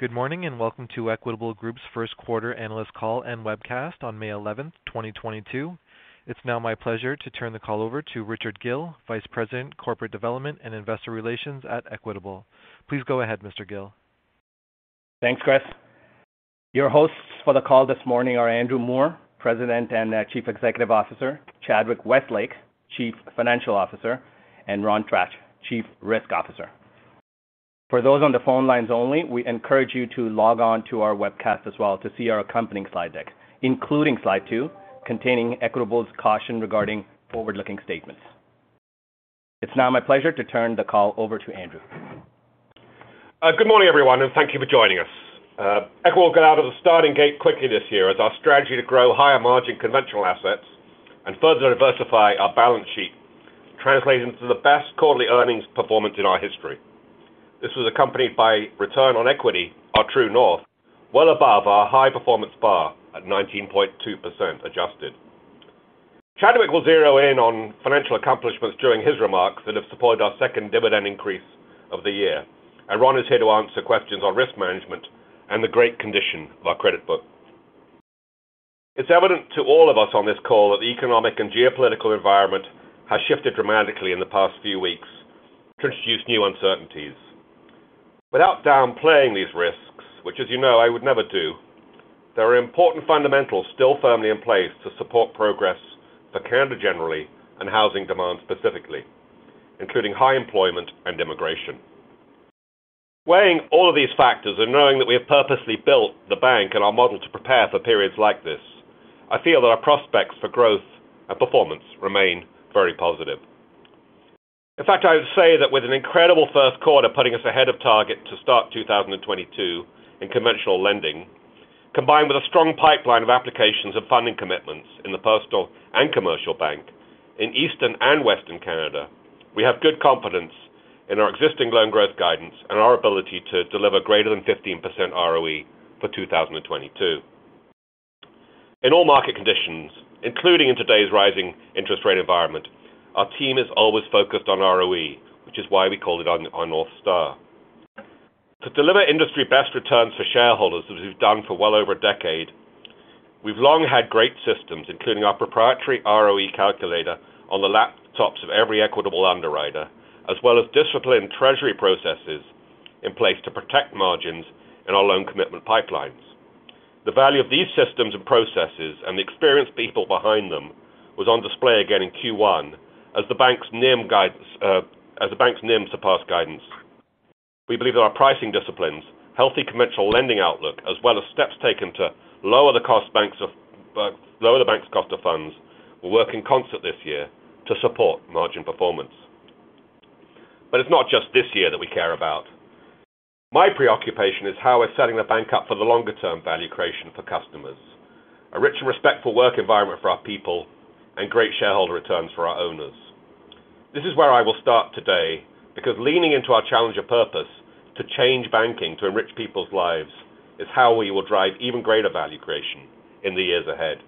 Good morning, and welcome to Equitable Group's First Quarter Analyst Call and Webcast on May 11, 2022. It's now my pleasure to turn the call over to Richard Gill, Vice President, Corporate Development & Investor Relations at Equitable. Please go ahead, Mr. Gill. Thanks, Chris. Your hosts for the call this morning are Andrew Moor, President and Chief Executive Officer, Chadwick Westlake, Chief Financial Officer, and Ron Tratch, Chief Risk Officer. For those on the phone lines only, we encourage you to log on to our webcast as well to see our accompanying slide deck, including slide two, containing Equitable's caution regarding forward-looking statements. It's now my pleasure to turn the call over to Andrew. Good morning, everyone, and thank you for joining us. Equitable got out of the starting gate quickly this year as our strategy to grow higher margin conventional assets and further diversify our balance sheet translated into the best quarterly earnings performance in our history. This was accompanied by return on equity, our true north, well above our high performance bar at 19.2% adjusted. Chadwick will zero in on financial accomplishments during his remarks that have supported our second dividend increase of the year, and Ron is here to answer questions on risk management and the great condition of our credit book. It's evident to all of us on this call that the economic and geopolitical environment has shifted dramatically in the past few weeks to introduce new uncertainties. Without downplaying these risks, which, as you know, I would never do, there are important fundamentals still firmly in place to support progress for Canada generally and housing demand specifically, including high employment and immigration. Weighing all of these factors and knowing that we have purposely built the bank and our model to prepare for periods like this, I feel that our prospects for growth and performance remain very positive. In fact, I would say that with an incredible first quarter putting us ahead of target to start 2022 in conventional lending, combined with a strong pipeline of applications and funding commitments in the personal and commercial bank in Eastern and Western Canada, we have good confidence in our existing loan growth guidance and our ability to deliver greater than 15% ROE for 2022. In all market conditions, including in today's rising interest rate environment, our team is always focused on ROE, which is why we call it our North Star. To deliver industry-best returns for shareholders, as we've done for well over a decade, we've long had great systems, including our proprietary ROE calculator on the laptops of every Equitable underwriter, as well as disciplined treasury processes in place to protect margins in our loan commitment pipelines. The value of these systems and processes and the experienced people behind them was on display again in Q1 as the bank's NIM surpassed guidance. We believe that our pricing disciplines, healthy conventional lending outlook, as well as steps taken to lower the bank's cost of funds will work in concert this year to support margin performance. It's not just this year that we care about. My preoccupation is how we're setting the bank up for the longer-term value creation for customers, a rich and respectful work environment for our people, and great shareholder returns for our owners. This is where I will start today, because leaning into our challenger purpose to change banking to enrich people's lives is how we will drive even greater value creation in the years ahead.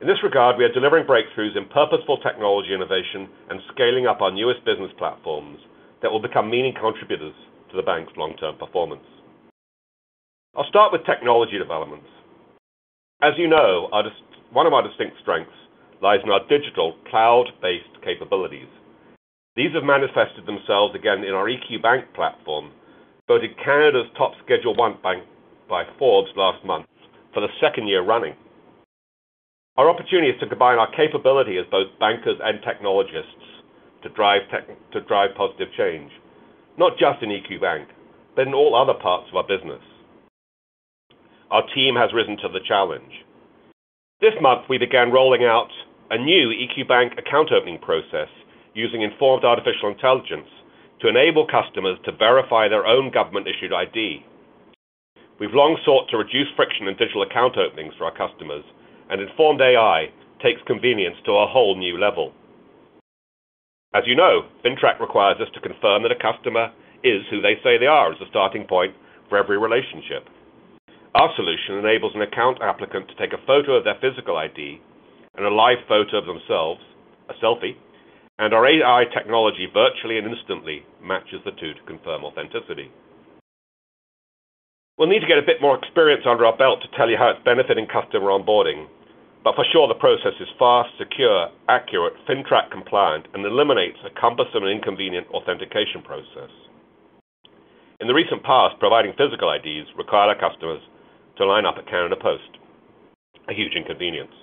In this regard, we are delivering breakthroughs in purposeful technology innovation and scaling up our newest business platforms that will become meaningful contributors to the bank's long-term performance. I'll start with technology developments. As you know, one of our distinct strengths lies in our digital cloud-based capabilities. These have manifested themselves again in our EQ Bank platform, voted Canada's top Schedule I bank by Forbes last month for the second year running. Our opportunity is to combine our capability as both bankers and technologists to drive positive change, not just in EQ Bank, but in all other parts of our business. Our team has risen to the challenge. This month, we began rolling out a new EQ Bank account opening process using informed artificial intelligence to enable customers to verify their own government-issued ID. We've long sought to reduce friction in digital account openings for our customers, and informed AI takes convenience to a whole new level. As you know, FINTRAC requires us to confirm that a customer is who they say they are as a starting point for every relationship. Our solution enables an account applicant to take a photo of their physical ID and a live photo of themselves, a selfie, and our AI technology virtually and instantly matches the two to confirm authenticity. We'll need to get a bit more experience under our belt to tell you how it's benefiting customer onboarding, but for sure the process is fast, secure, accurate, FINTRAC compliant, and eliminates a cumbersome and inconvenient authentication process. In the recent past, providing physical IDs required our customers to line up at Canada Post, a huge inconvenience.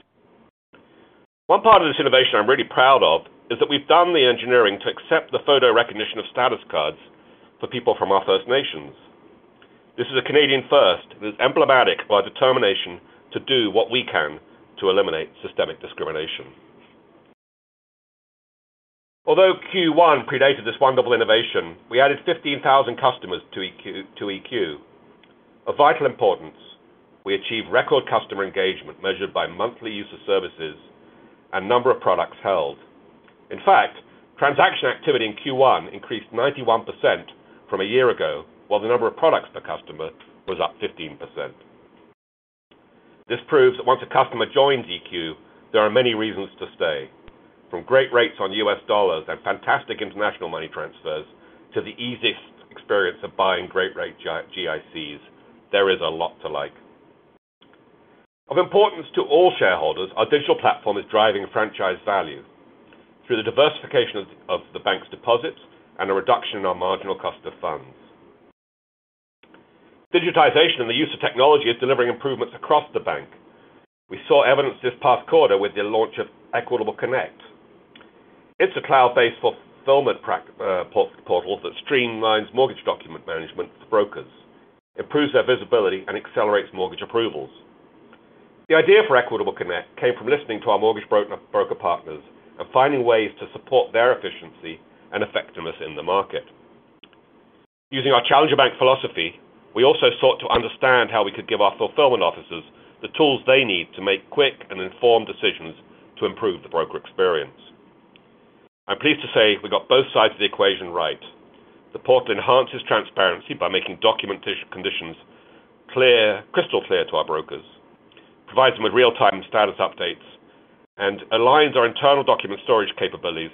One part of this innovation I'm really proud of is that we've done the engineering to accept the photo recognition of status cards for people from our First Nations. This is a Canadian first that is emblematic of our determination to do what we can to eliminate systemic discrimination. Although Q1 predated this wonderful innovation, we added 15,000 customers to EQ. Of vital importance, we achieved record customer engagement measured by monthly use of services and number of products held. In fact, transaction activity in Q1 increased 91% from a year ago, while the number of products per customer was up 15%. This proves that once a customer joins EQ, there are many reasons to stay. From great rates on US dollars and fantastic international money transfers to the easiest experience of buying great rate GICs, there is a lot to like. Of importance to all shareholders, our digital platform is driving franchise value through the diversification of the bank's deposits and a reduction in our marginal cost of funds. Digitization and the use of technology is delivering improvements across the bank. We saw evidence this past quarter with the launch of Equitable Connect. It's a cloud-based fulfillment portal that streamlines mortgage document management with brokers, improves their visibility, and accelerates mortgage approvals. The idea for Equitable Connect came from listening to our mortgage broker partners and finding ways to support their efficiency and effectiveness in the market. Using our challenger bank philosophy, we also sought to understand how we could give our fulfillment officers the tools they need to make quick and informed decisions to improve the broker experience. I'm pleased to say we got both sides of the equation right. The portal enhances transparency by making document conditions clear, crystal clear to our brokers. Provides them with real-time status updates, and aligns our internal document storage capabilities,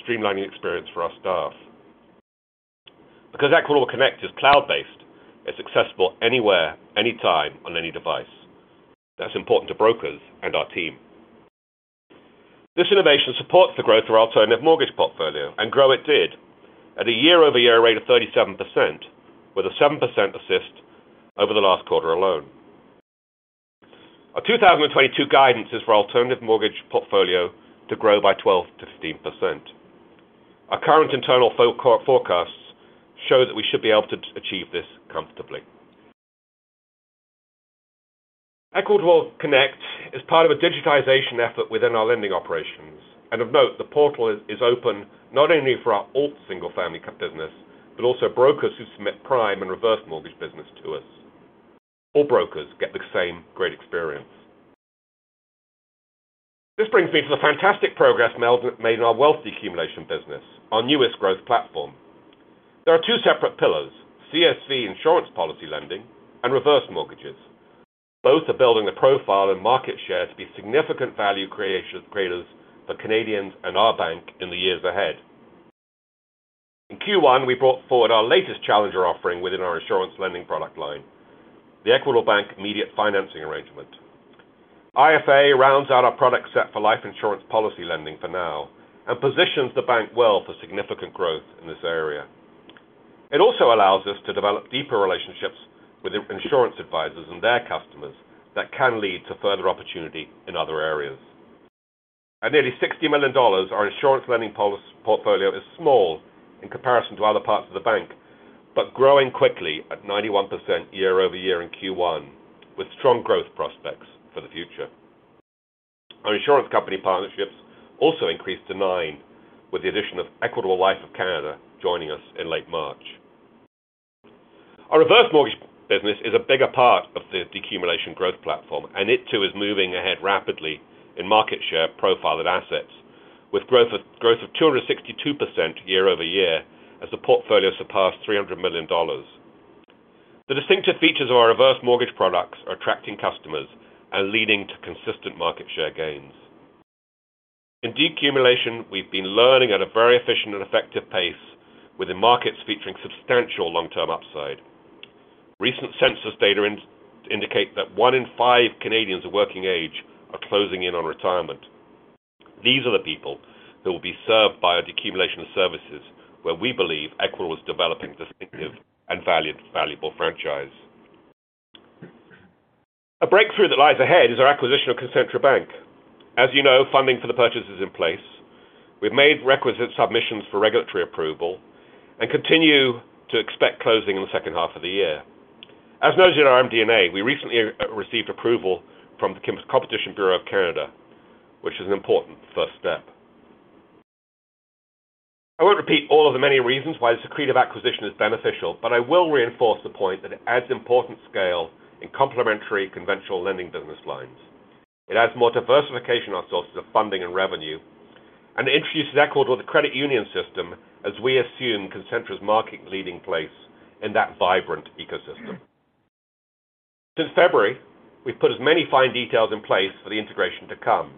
streamlining experience for our staff. Because Equitable Connect is cloud-based, it's accessible anywhere, anytime, on any device. That's important to brokers and our team. This innovation supports the growth of our alternative mortgage portfolio, and grow it did, at a year-over-year rate of 37% with a 7% assist over the last quarter alone. Our 2022 guidance is for alternative mortgage portfolio to grow by 12%-15%. Our current internal forecasts show that we should be able to achieve this comfortably. Equitable Connect is part of a digitization effort within our lending operations, and of note, the portal is open not only for our alt single-family business, but also brokers who submit prime and reverse mortgage business to us. All brokers get the same great experience. This brings me to the fantastic progress Mel made in our wealth decumulation business, our newest growth platform. There are two separate pillars: CSV insurance policy lending and reverse mortgages. Both are building the profile and market share to be significant value creation creators for Canadians and our bank in the years ahead. In Q1, we brought forward our latest challenger offering within our insurance lending product line, the Equitable Bank Immediate Financing Arrangement. IFA rounds out our product set for life insurance policy lending for now, and positions the bank well for significant growth in this area. It also allows us to develop deeper relationships with insurance advisors and their customers that can lead to further opportunity in other areas. At nearly 60 million dollars, our insurance lending portfolio is small in comparison to other parts of the bank, but growing quickly at 91% year-over-year in Q1, with strong growth prospects for the future. Our insurance company partnerships also increased to nine with the addition of Equitable Life of Canada joining us in late March. Our reverse mortgage business is a bigger part of the decumulation growth platform, and it too is moving ahead rapidly in market share profile and assets with growth of 262% year-over-year as the portfolio surpassed 300 million dollars. The distinctive features of our reverse mortgage products are attracting customers and leading to consistent market share gains. In decumulation, we've been lending at a very efficient and effective pace with the markets featuring substantial long-term upside. Recent census data indicate that one in five Canadians of working age are closing in on retirement. These are the people that will be served by our decumulation services, where we believe Equitable is developing distinctive and valued, valuable franchise. A breakthrough that lies ahead is our acquisition of Concentra Bank. As you know, funding for the purchase is in place. We've made requisite submissions for regulatory approval and continue to expect closing in the second half of the year. As noted in our MD&A, we recently received approval from the Competition Bureau of Canada, which is an important first step. I won't repeat all of the many reasons why this accretive acquisition is beneficial, but I will reinforce the point that it adds important scale in complementary conventional lending business lines. It adds more diversification on sources of funding and revenue, and introduces Equitable to the credit union system as we assume Concentra's market leading place in that vibrant ecosystem. Since February, we've put as many fine details in place for the integration to come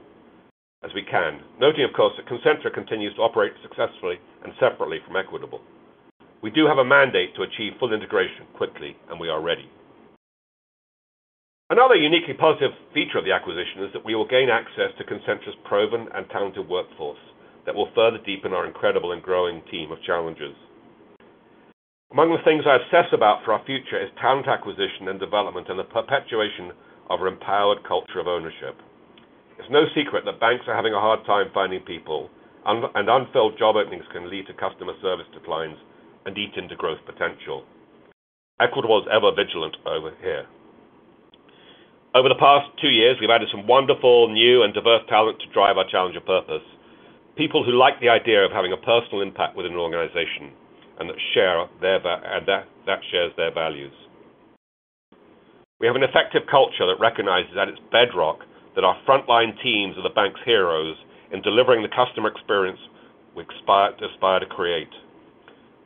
as we can. Noting, of course, that Concentra continues to operate successfully and separately from Equitable. We do have a mandate to achieve full integration quickly, and we are ready. Another uniquely positive feature of the acquisition is that we will gain access to Concentra's proven and talented workforce that will further deepen our incredible and growing team of challengers. Among the things I obsess about for our future is talent acquisition and development, and the perpetuation of our empowered culture of ownership. It's no secret that banks are having a hard time finding people. Unfilled job openings can lead to customer service declines and eat into growth potential. Equitable is ever vigilant over here. Over the past two years, we've added some wonderful, new and diverse talent to drive our challenger purpose. People who like the idea of having a personal impact within an organization and that shares their values. We have an effective culture that recognizes at its bedrock that our frontline teams are the bank's heroes in delivering the customer experience we aspire to create.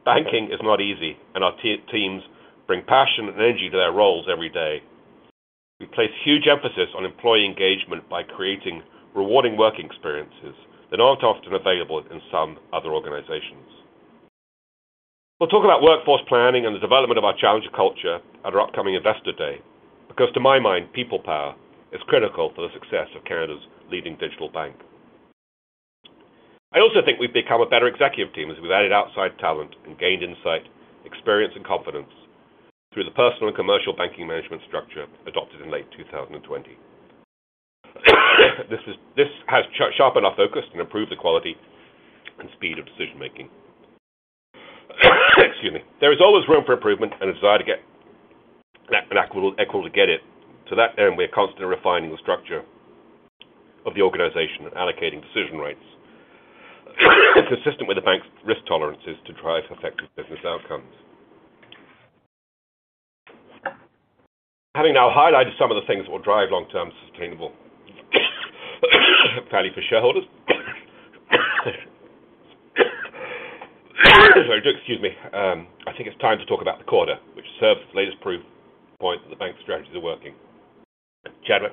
Banking is not easy, and our teams bring passion and energy to their roles every day. We place huge emphasis on employee engagement by creating rewarding work experiences that aren't often available in some other organizations. We'll talk about workforce planning and the development of our challenger culture at our upcoming Investor Day, because to my mind, people power is critical for the success of Canada's leading digital bank. I also think we've become a better executive team as we've added outside talent and gained insight, experience, and confidence through the personal and commercial banking management structure adopted in late 2020. This has sharpened our focus and improved the quality and speed of decision-making. Excuse me. There is always room for improvement and a desire to get that at Equitable to get it. To that end, we are constantly refining the structure of the organization and allocating decision rights consistent with the bank's risk tolerances to drive effective business outcomes. Having now highlighted some of the things that will drive long-term sustainable value for shareholders. Sorry. Do excuse me. I think it's time to talk about the quarter, which serves as the latest proof point that the bank strategies are working. Chadwick.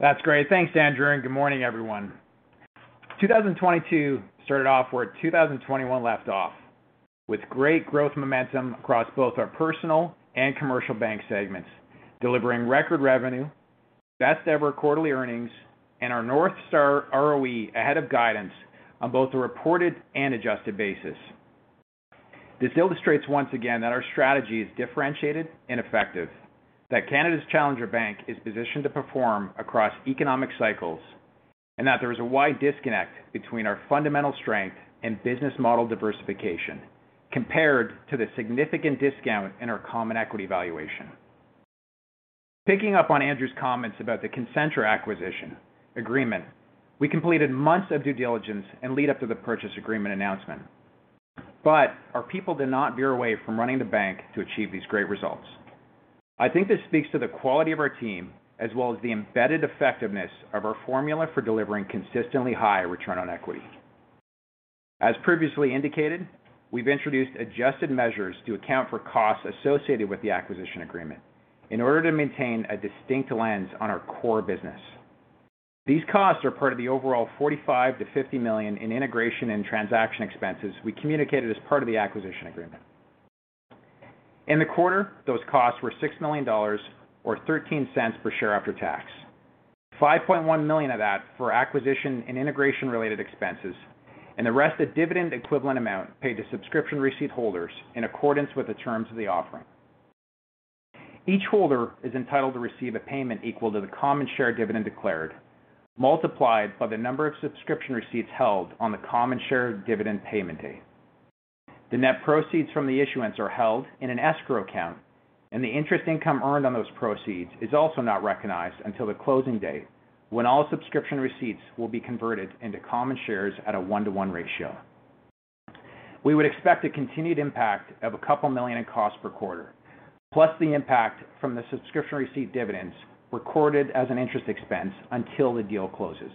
That's great. Thanks, Andrew, and good morning, everyone. 2022 started off where 2021 left off with great growth momentum across both our personal and commercial bank segments, delivering record revenue, best ever quarterly earnings, and our North Star ROE ahead of guidance on both a reported and adjusted basis. This illustrates once again that our strategy is differentiated and effective, that Canada's Challenger Bank is positioned to perform across economic cycles, and that there is a wide disconnect between our fundamental strength and business model diversification compared to the significant discount in our common equity valuation. Picking up on Andrew's comments about the Concentra acquisition agreement, we completed months of due diligence and led up to the purchase agreement announcement, but our people did not veer away from running the bank to achieve these great results. I think this speaks to the quality of our team as well as the embedded effectiveness of our formula for delivering consistently high return on equity. As previously indicated, we've introduced adjusted measures to account for costs associated with the acquisition agreement in order to maintain a distinct lens on our core business. These costs are part of the overall 45 million-50 million in integration and transaction expenses we communicated as part of the acquisition agreement. In the quarter, those costs were 6 million dollars or 0.13 per share after tax. 5.1 million of that for acquisition and integration related expenses, and the rest a dividend equivalent amount paid to subscription receipt holders in accordance with the terms of the offering. Each holder is entitled to receive a payment equal to the common share dividend declared, multiplied by the number of subscription receipts held on the common share dividend payment date. The net proceeds from the issuance are held in an escrow account, and the interest income earned on those proceeds is also not recognized until the closing date, when all subscription receipts will be converted into common shares at a 1:1 ratio. We would expect the continued impact of 2 million in costs per quarter, plus the impact from the subscription receipt dividends recorded as an interest expense until the deal closes.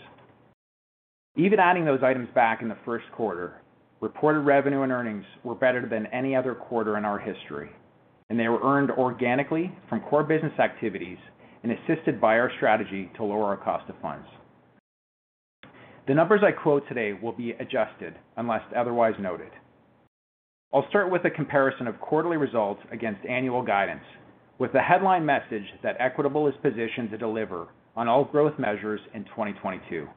Even adding those items back in the first quarter, reported revenue and earnings were better than any other quarter in our history, and they were earned organically from core business activities and assisted by our strategy to lower our cost of funds. The numbers I quote today will be adjusted unless otherwise noted. I'll start with a comparison of quarterly results against annual guidance, with the headline message that Equitable is positioned to deliver on all growth measures in 2022.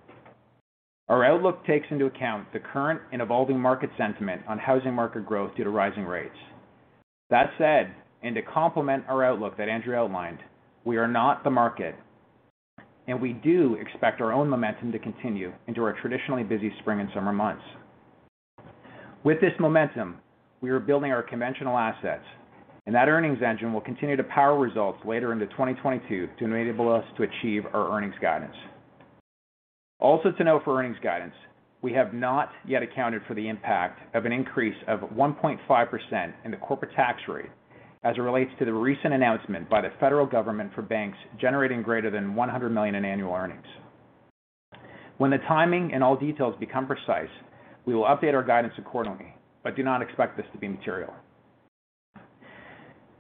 Our outlook takes into account the current and evolving market sentiment on housing market growth due to rising rates. That said, and to complement our outlook that Andrew outlined, we are not the market, and we do expect our own momentum to continue into our traditionally busy spring and summer months. With this momentum, we are building our conventional assets, and that earnings engine will continue to power results later into 2022 to enable us to achieve our earnings guidance. Also to note for earnings guidance, we have not yet accounted for the impact of an increase of 1.5% in the corporate tax rate as it relates to the recent announcement by the federal government for banks generating greater than 100 million in annual earnings. When the timing and all details become precise, we will update our guidance accordingly, but do not expect this to be material.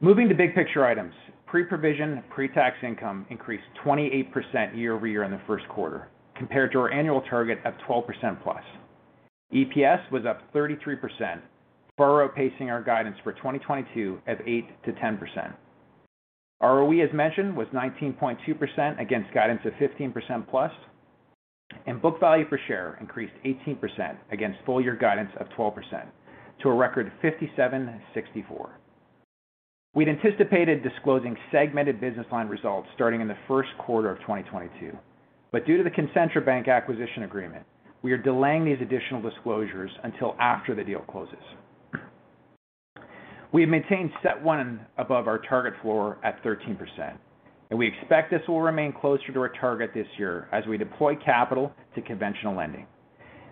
Moving to big picture items, pre-provision pre-tax income increased 28% year-over-year in the first quarter compared to our annual target of 12%+. EPS was up 33%, surpassing our guidance for 2022 of 8%-10%. ROE, as mentioned, was 19.2% against guidance of 15%+, and book value per share increased 18% against full year guidance of 12% to a record of 57.64. We'd anticipated disclosing segmented business line results starting in the first quarter of 2022, but due to the Concentra Bank acquisition agreement, we are delaying these additional disclosures until after the deal closes. We have maintained CET1 above our target floor at 13%, and we expect this will remain closer to our target this year as we deploy capital to conventional lending.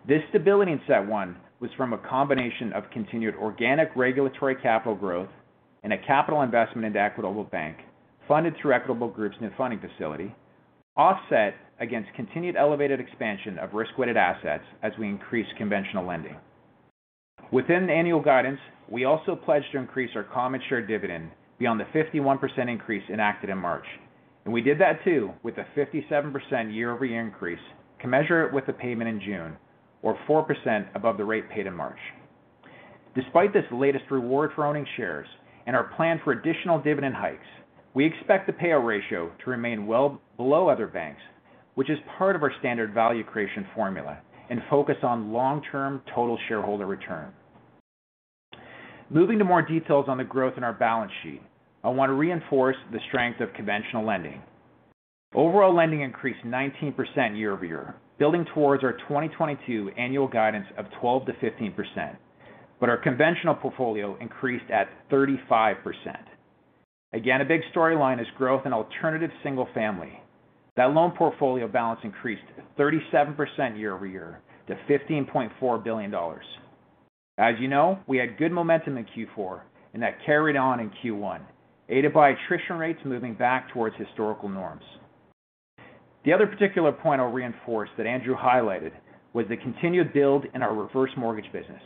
This stability in CET1 was from a combination of continued organic regulatory capital growth and a capital investment into Equitable Bank funded through Equitable Group's new funding facility, offset against continued elevated expansion of risk-weighted assets as we increase conventional lending. Within the annual guidance, we also pledged to increase our common share dividend beyond the 51% increase enacted in March. We did that too, with a 57% year-over-year increase to measure it with the payment in June or 4% above the rate paid in March. Despite this latest reward for owning shares and our plan for additional dividend hikes, we expect the payout ratio to remain well below other banks, which is part of our standard value creation formula and focus on long-term total shareholder return. Moving to more details on the growth in our balance sheet, I want to reinforce the strength of conventional lending. Overall lending increased 19% year-over-year, building towards our 2022 annual guidance of 12%-15%. Our conventional portfolio increased at 35%. Again, a big storyline is growth in alternative single family. That loan portfolio balance increased 37% year-over-year to 15.4 billion dollars. As you know, we had good momentum in Q4 and that carried on in Q1, aided by attrition rates moving back towards historical norms. The other particular point I'll reinforce that Andrew highlighted was the continued build in our reverse mortgage business,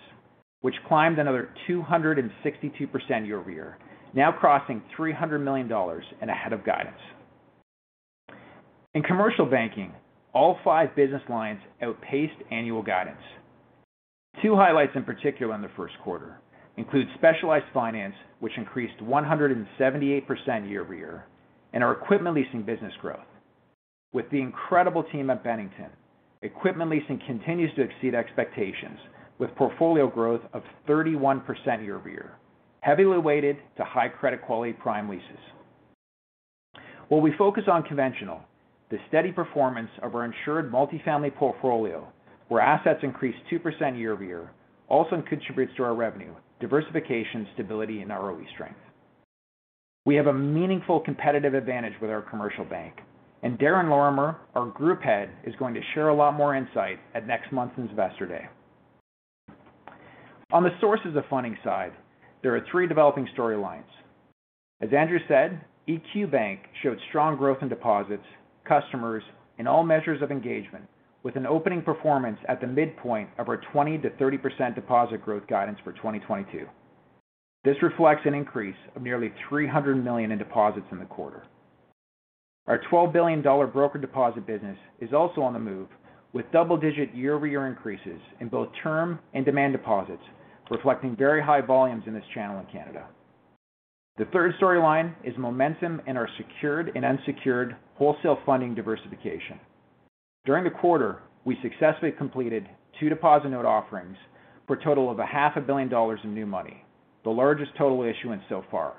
which climbed another 262% year-over-year, now crossing 300 million dollars and ahead of guidance. In commercial banking, all five business lines outpaced annual guidance. Two highlights in particular in the first quarter include specialized finance, which increased 178% year-over-year, and our equipment leasing business growth. With the incredible team at Bennington, equipment leasing continues to exceed expectations with portfolio growth of 31% year-over-year, heavily weighted to high credit quality prime leases. While we focus on conventional, the steady performance of our insured multifamily portfolio, where assets increased 2% year-over-year, also contributes to our revenue, diversification, stability and ROE strength. We have a meaningful competitive advantage with our commercial bank and Darren Lorimer, our group head, is going to share a lot more insight at next month's Investor Day. On the sources of funding side, there are three developing storylines. As Andrew said, EQ Bank showed strong growth in deposits, customers and all measures of engagement with an opening performance at the midpoint of our 20%-30% deposit growth guidance for 2022. This reflects an increase of nearly 300 million in deposits in the quarter. Our 12 billion dollar broker deposit business is also on the move with double-digit year-over-year increases in both term and demand deposits, reflecting very high volumes in this channel in Canada. The third storyline is momentum in our secured and unsecured wholesale funding diversification. During the quarter, we successfully completed 2 deposit note offerings for a total of CAD half a billion dollars in new money, the largest total issuance so far.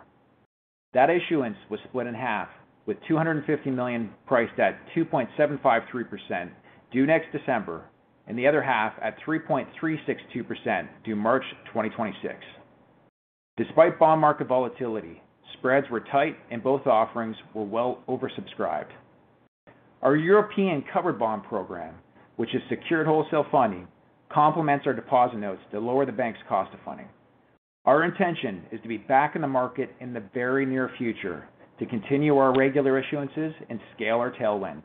That issuance was split in half with 250 million priced at 2.753% due next December and the other half at 3.362% due March 2026. Despite bond market volatility, spreads were tight and both offerings were well oversubscribed. Our European covered bond program, which is secured wholesale funding, complements our deposit notes to lower the bank's cost of funding. Our intention is to be back in the market in the very near future to continue our regular issuances and scale our tailwind.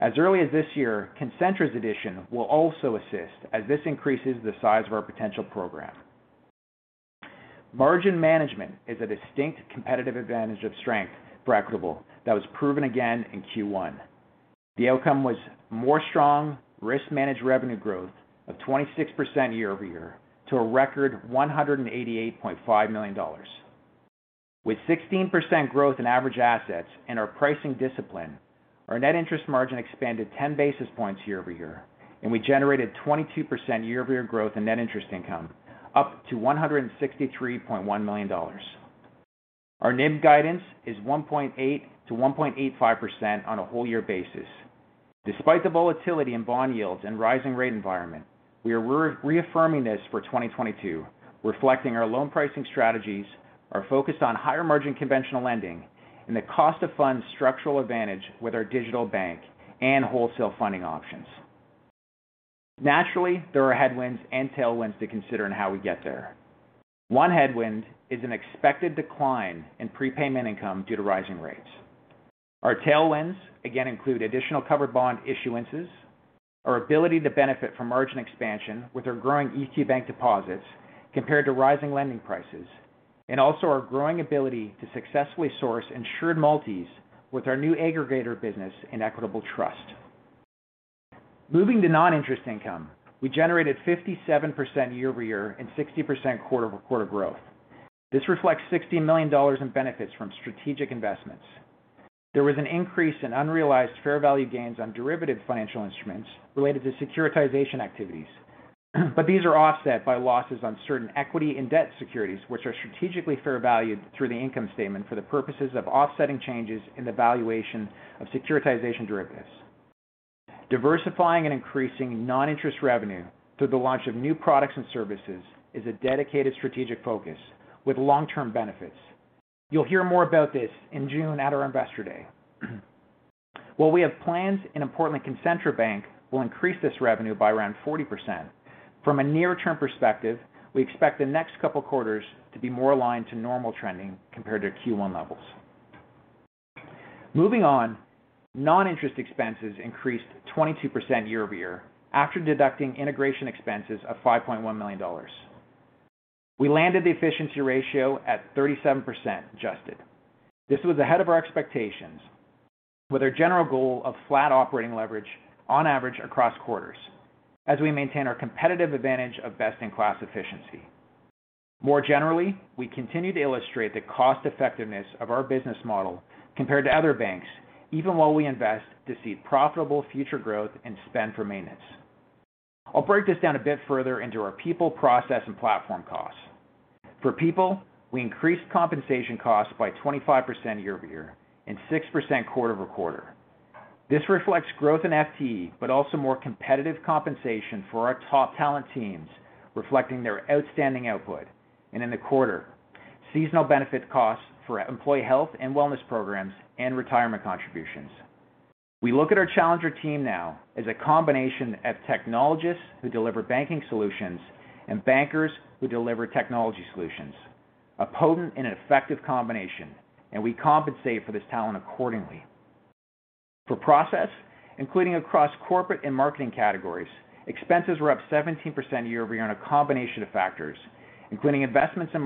As early as this year, Concentra's addition will also assist as this increases the size of our potential program. Margin management is a distinct competitive advantage of strength for Equitable that was proven again in Q1. The outcome was more strong risk managed revenue growth of 26% year-over-year to a record 188.5 million dollars. With 16% growth in average assets and our pricing discipline, our net interest margin expanded 10 basis points year-over-year, and we generated 22% year-over-year growth in net interest income, up to 163.1 million dollars. Our NIM guidance is 1.8%-1.85% on a whole year basis. Despite the volatility in bond yields and rising rate environment, we are reaffirming this for 2022, reflecting our loan pricing strategies are focused on higher margin conventional lending and the cost of funds structural advantage with our digital bank and wholesale funding options. Naturally, there are headwinds and tailwinds to consider in how we get there. One headwind is an expected decline in prepayment income due to rising rates. Our tailwinds again include additional covered bond issuances, our ability to benefit from margin expansion with our growing EQ Bank deposits compared to rising lending prices, and also our growing ability to successfully source insured multis with our new aggregator business in Equitable Trust. Moving to non-interest income, we generated 57% year-over-year and 60% quarter-over-quarter growth. This reflects 60 million dollars in benefits from strategic investments. There was an increase in unrealized fair value gains on derivative financial instruments related to securitization activities, but these are offset by losses on certain equity and debt securities, which are strategically fair valued through the income statement for the purposes of offsetting changes in the valuation of securitization derivatives. Diversifying and increasing non-interest revenue through the launch of new products and services is a dedicated strategic focus with long-term benefits. You'll hear more about this in June at our Investor Day. While we have plans and importantly Concentra Bank will increase this revenue by around 40%. From a near-term perspective, we expect the next couple quarters to be more aligned to normal trending compared to Q1 levels. Moving on, non-interest expenses increased 22% year-over-year after deducting integration expenses of 5.1 million dollars. We landed the efficiency ratio at 37% adjusted. This was ahead of our expectations with our general goal of flat operating leverage on average across quarters as we maintain our competitive advantage of best-in-class efficiency. More generally, we continue to illustrate the cost effectiveness of our business model compared to other banks, even while we invest to see profitable future growth and spend for maintenance. I'll break this down a bit further into our people, process, and platform costs. For people, we increased compensation costs by 25% year-over-year and 6% quarter-over-quarter. This reflects growth in FTE but also more competitive compensation for our top talent teams, reflecting their outstanding output and in the quarter, seasonal benefit costs for employee health and wellness programs and retirement contributions. We look at our challenger team now as a combination of technologists who deliver banking solutions and bankers who deliver technology solutions, a potent and effective combination, and we compensate for this talent accordingly. For process, including across corporate and marketing categories, expenses were up 17% year-over-year on a combination of factors, including investments in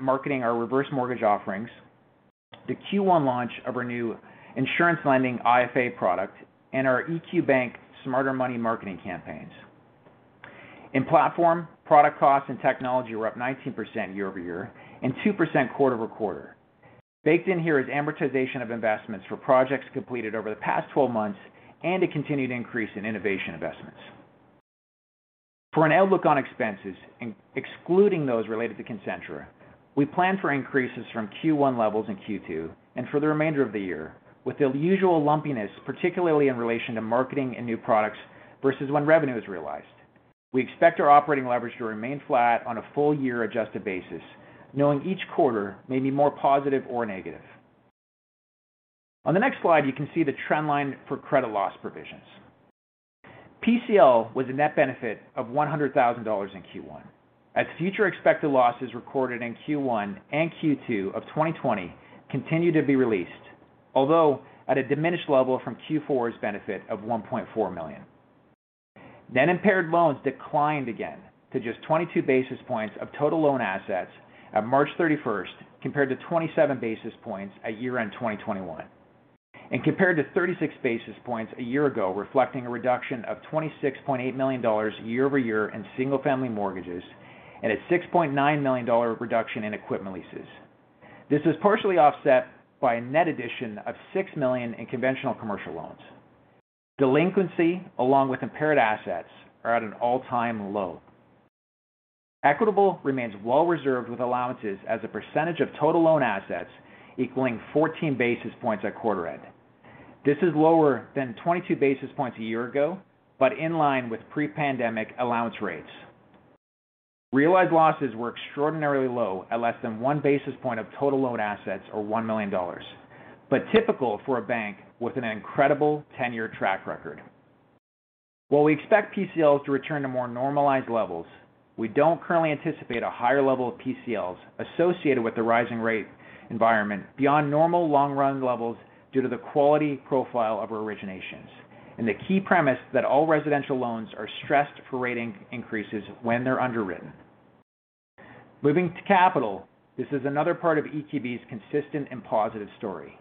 marketing our reverse mortgage offerings, the Q1 launch of our new insurance lending IFA product, and our EQ Bank Smarter Money marketing campaigns. In platform, product costs and technology were up 19% year-over-year and 2% quarter-over-quarter. Baked in here is amortization of investments for projects completed over the past 12 months and a continued increase in innovation investments. For an outlook on expenses, excluding those related to Concentra, we plan for increases from Q1 levels in Q2 and for the remainder of the year, with the usual lumpiness, particularly in relation to marketing and new products versus when revenue is realized. We expect our operating leverage to remain flat on a full year adjusted basis, knowing each quarter may be more positive or negative. On the next slide, you can see the trend line for credit loss provisions. PCL was a net benefit of 100,000 dollars in Q1 as future expected losses recorded in Q1 and Q2 of 2020 continued to be released, although at a diminished level from Q4's benefit of 1.4 million. Net impaired loans declined again to just 22 basis points of total loan assets at March 31, compared to 27 basis points at year-end 2021, and compared to 36 basis points a year ago, reflecting a reduction of 26.8 million dollars year over year in single-family mortgages and a 6.9 million dollar reduction in equipment leases. This was partially offset by a net addition of 6 million in conventional commercial loans. Delinquency, along with impaired assets, are at an all-time low. Equitable remains well reserved with allowances as a percentage of total loan assets equaling 14 basis points at quarter end. This is lower than 22 basis points a year ago, but in line with pre-pandemic allowance rates. Realized losses were extraordinarily low at less than 1 basis point of total loan assets or 1 million dollars, but typical for a bank with an incredible 10-year track record. While we expect PCLs to return to more normalized levels, we don't currently anticipate a higher level of PCLs associated with the rising rate environment beyond normal long-run levels due to the quality profile of our originations and the key premise that all residential loans are stressed for rate increases when they're underwritten. Moving to capital, this is another part of EQB's consistent and positive story.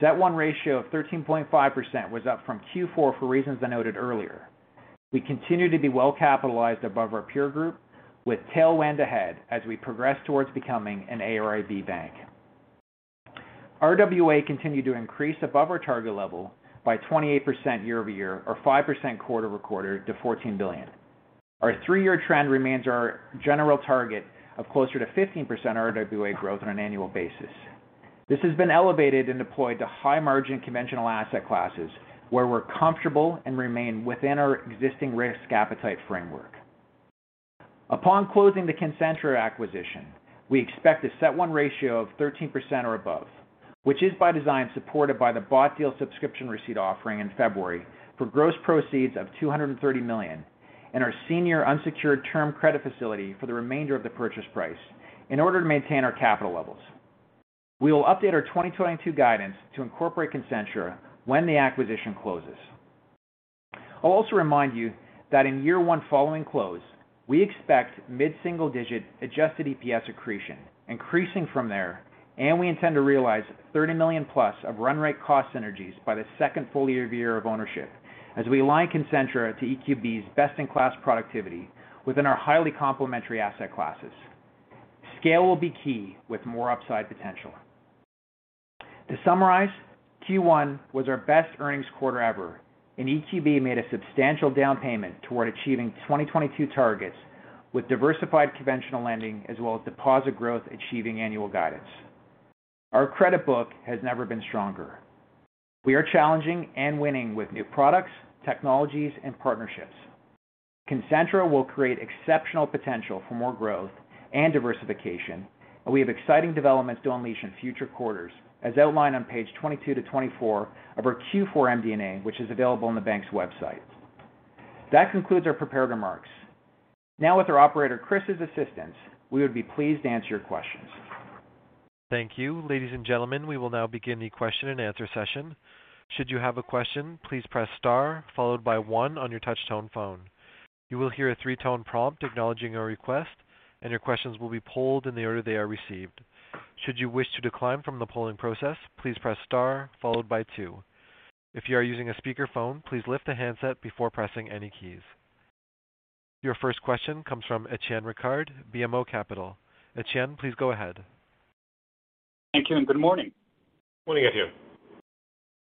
That one ratio of 13.5% was up from Q4 for reasons I noted earlier. We continue to be well-capitalized above our peer group with tailwind ahead as we progress towards becoming an AIRB bank. RWA continued to increase above our target level by 28% year-over-year or 5% quarter-over-quarter to 14 billion. Our three-year trend remains our general target of closer to 15% RWA growth on an annual basis. This has been elevated and deployed to high-margin conventional asset classes where we're comfortable and remain within our existing risk appetite framework. Upon closing the Concentra acquisition, we expect a CET1 ratio of 13% or above, which is by design supported by the bought deal subscription receipt offering in February for gross proceeds of 230 million and our senior unsecured term credit facility for the remainder of the purchase price in order to maintain our capital levels. We will update our 2022 guidance to incorporate Concentra when the acquisition closes. I'll also remind you that in year one following close, we expect mid-single digit adjusted EPS accretion increasing from there, and we intend to realize 30 million-plus of run rate cost synergies by the second full year of ownership as we align Concentra to EQB's best-in-class productivity within our highly complementary asset classes. Scale will be key with more upside potential. To summarize, Q1 was our best earnings quarter ever, and EQB made a substantial down payment toward achieving 2022 targets with diversified conventional lending as well as deposit growth achieving annual guidance. Our credit book has never been stronger. We are challenging and winning with new products, technologies, and partnerships. Concentra will create exceptional potential for more growth and diversification, and we have exciting developments to unleash in future quarters, as outlined on page 22-24 of our Q4 MD&A, which is available on the bank's website. That concludes our prepared remarks. Now with our operator, Chris's assistance, we would be pleased to answer your questions. Thank you. Ladies and gentlemen, we will now begin the question and answer session. Should you have a question, please press star followed by one on your touchtone phone. You will hear a three-tone prompt acknowledging your request, and your questions will be polled in the order they are received. Should you wish to decline from the polling process, please press star followed by two. If you are using a speakerphone, please lift the handset before pressing any keys. Your first question comes from Étienne Ricard, BMO Capital. Étienne, please go ahead. Thank you and good morning. Morning, Étienne.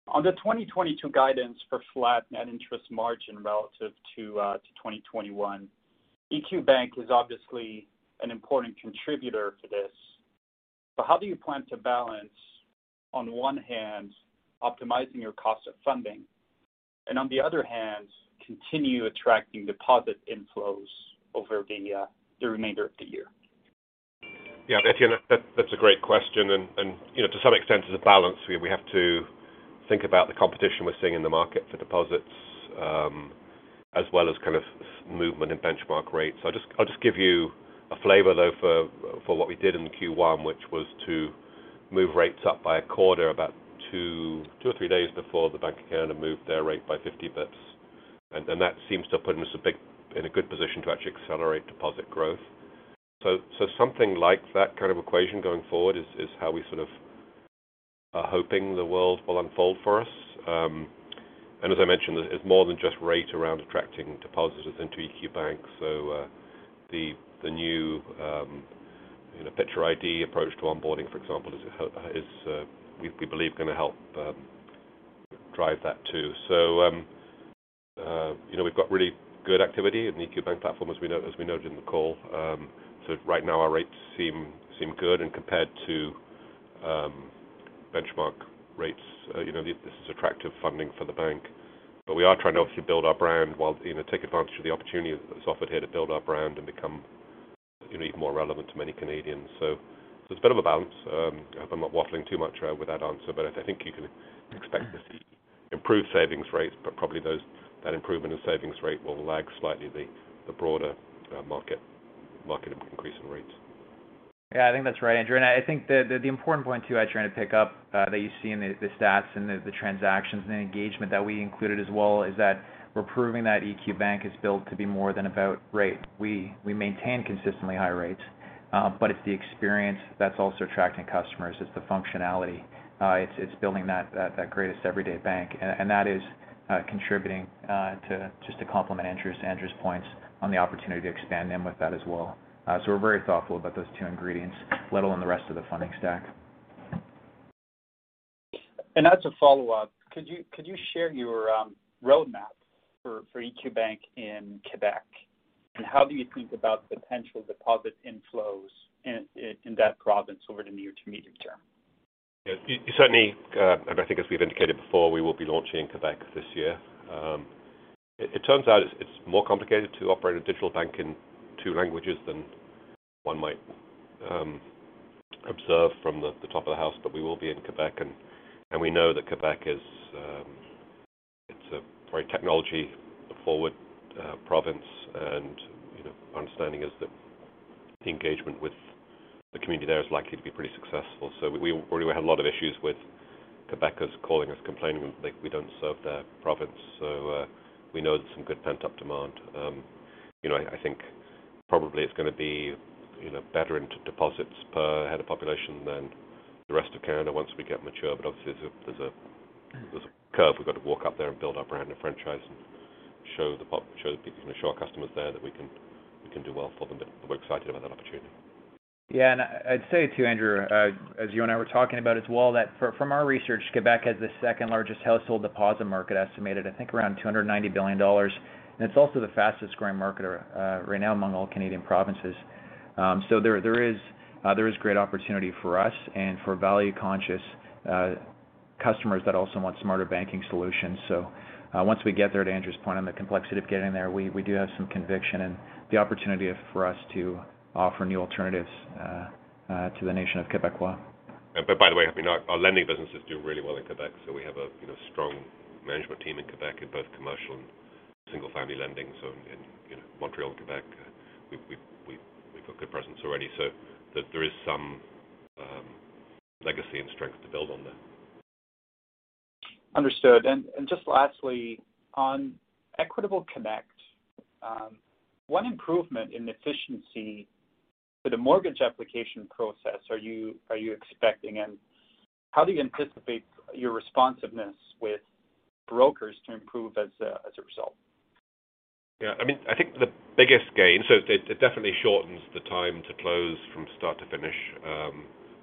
On the 2022 guidance for flat net interest margin relative to 2021, EQ Bank is obviously an important contributor to this. How do you plan to balance on one hand optimizing your cost of funding and on the other hand, continue attracting deposit inflows over the remainder of the year? Yeah, Étienne, that's a great question. To some extent it's a balance. You know, we have to think about the competition we're seeing in the market for deposits, as well as kind of movement in benchmark rates. I'll just give you a flavor though for what we did in Q1, which was to move rates up by a quarter about two or three days before the Bank of Canada moved their rate by 50 basis points. That seems to have put us in a good position to actually accelerate deposit growth. Something like that kind of equation going forward is how we sort of are hoping the world will unfold for us. As I mentioned, it's more than just rate around attracting depositors into EQ Bank. The new, you know, picture ID approach to onboarding, for example, we believe is gonna help drive that too. You know, we've got really good activity in the EQ Bank platform as we noted in the call. Right now our rates seem good. Compared to benchmark rates, you know, this is attractive funding for the bank. We are trying to obviously build our brand while, you know, take advantage of the opportunity that's offered here to build our brand and become, you know, even more relevant to many Canadians. There's a bit of a balance. I hope I'm not waffling too much with that answer, but I think you can expect to see improved savings rates, but probably that improvement in savings rate will lag slightly the broader market increase in rates. Yeah, I think that's right, Andrew. I think the important point too, Étienne, to pick up that you see in the stats and the transactions and the engagement that we included as well, is that we're proving that EQ Bank is built to be more than about rate. We maintain consistently high rates, but it's the experience that's also attracting customers. It's the functionality. It's building that greatest everyday bank. And that is contributing to just complement Andrew's points on the opportunity to expand them with that as well. We're very thoughtful about those two ingredients, let alone the rest of the funding stack. As a follow-up, could you share your roadmap for EQ Bank in Quebec? How do you think about potential deposit inflows in that province over the near to medium term? Yeah. Certainly, I think as we've indicated before, we will be launching in Quebec this year. It turns out it's more complicated to operate a digital bank in two languages than one might observe from the top of the house. We will be in Quebec, and we know that Quebec is a very technology forward province. You know, our understanding is that the engagement with the community there is likely to be pretty successful. We have a lot of issues with Quebecers calling us complaining that we don't serve their province. We know there's some good pent-up demand. You know, I think probably it's gonna be better in deposits per head of population than the rest of Canada once we get mature. Obviously, there's a curve we've got to walk up there and build our brand and franchise and show the people and show our customers there that we can do well for them. We're excited about that opportunity. Yeah. I'd say too, Andrew, as you and I were talking about as well, that from our research, Québec has the second-largest household deposit market estimated, I think around 290 billion dollars. It's also the fastest-growing market right now among all Canadian provinces. There is great opportunity for us and for value-conscious customers that also want smarter banking solutions. Once we get there, to Andrew's point on the complexity of getting there, we do have some conviction and the opportunity for us to offer new alternatives to the nation of Québec well. By the way, I mean, our lending business is doing really well in Québec, so we have a, you know, strong management team Québec in both commercial and single-family lending. In you know, Montreal and Québec, we've got good presence already. There is some legacy and strength to build on there. Understood. Just lastly, on Equitable Connect, what improvement in efficiency for the mortgage application process are you expecting? How do you anticipate your responsiveness with brokers to improve as a result? Yeah. I mean, I think the biggest gain. It definitely shortens the time to close from start to finish,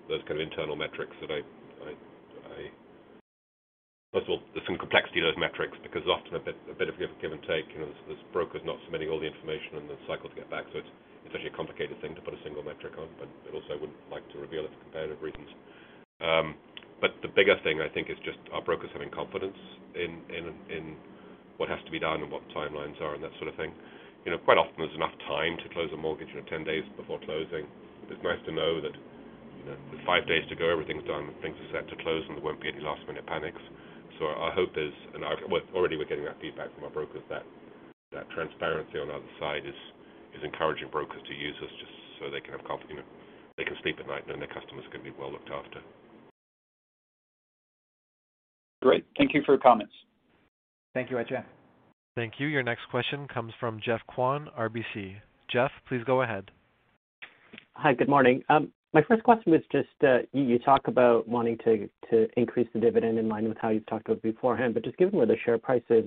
those kind of internal metrics that I first of all, there's some complexity to those metrics because often a bit of give and take. You know, there's brokers not submitting all the information and the cycle to get back. It's essentially a complicated thing to put a single metric on, but I also wouldn't like to reveal it for competitive reasons. The biggest thing I think is just our brokers having confidence in what has to be done and what the timelines are and that sort of thing. You know, quite often there's enough time to close a mortgage, you know, 10 days before closing. It's nice to know that. You know, five days to go, everything's done, things are set to close, and there won't be any last-minute panics. Our hope is, and we already we're getting that feedback from our brokers that transparency on the other side is encouraging brokers to use us just so they can have confidence, you know, they can sleep at night knowing their customers are gonna be well looked after. Great. Thank you for your comments. Thank you, Étienne. Thank you. Your next question comes from Geoffrey Kwan, RBC. Geoff, please go ahead. Hi. Good morning. My first question was just you talk about wanting to increase the dividend in line with how you've talked about beforehand. Just given where the share price is,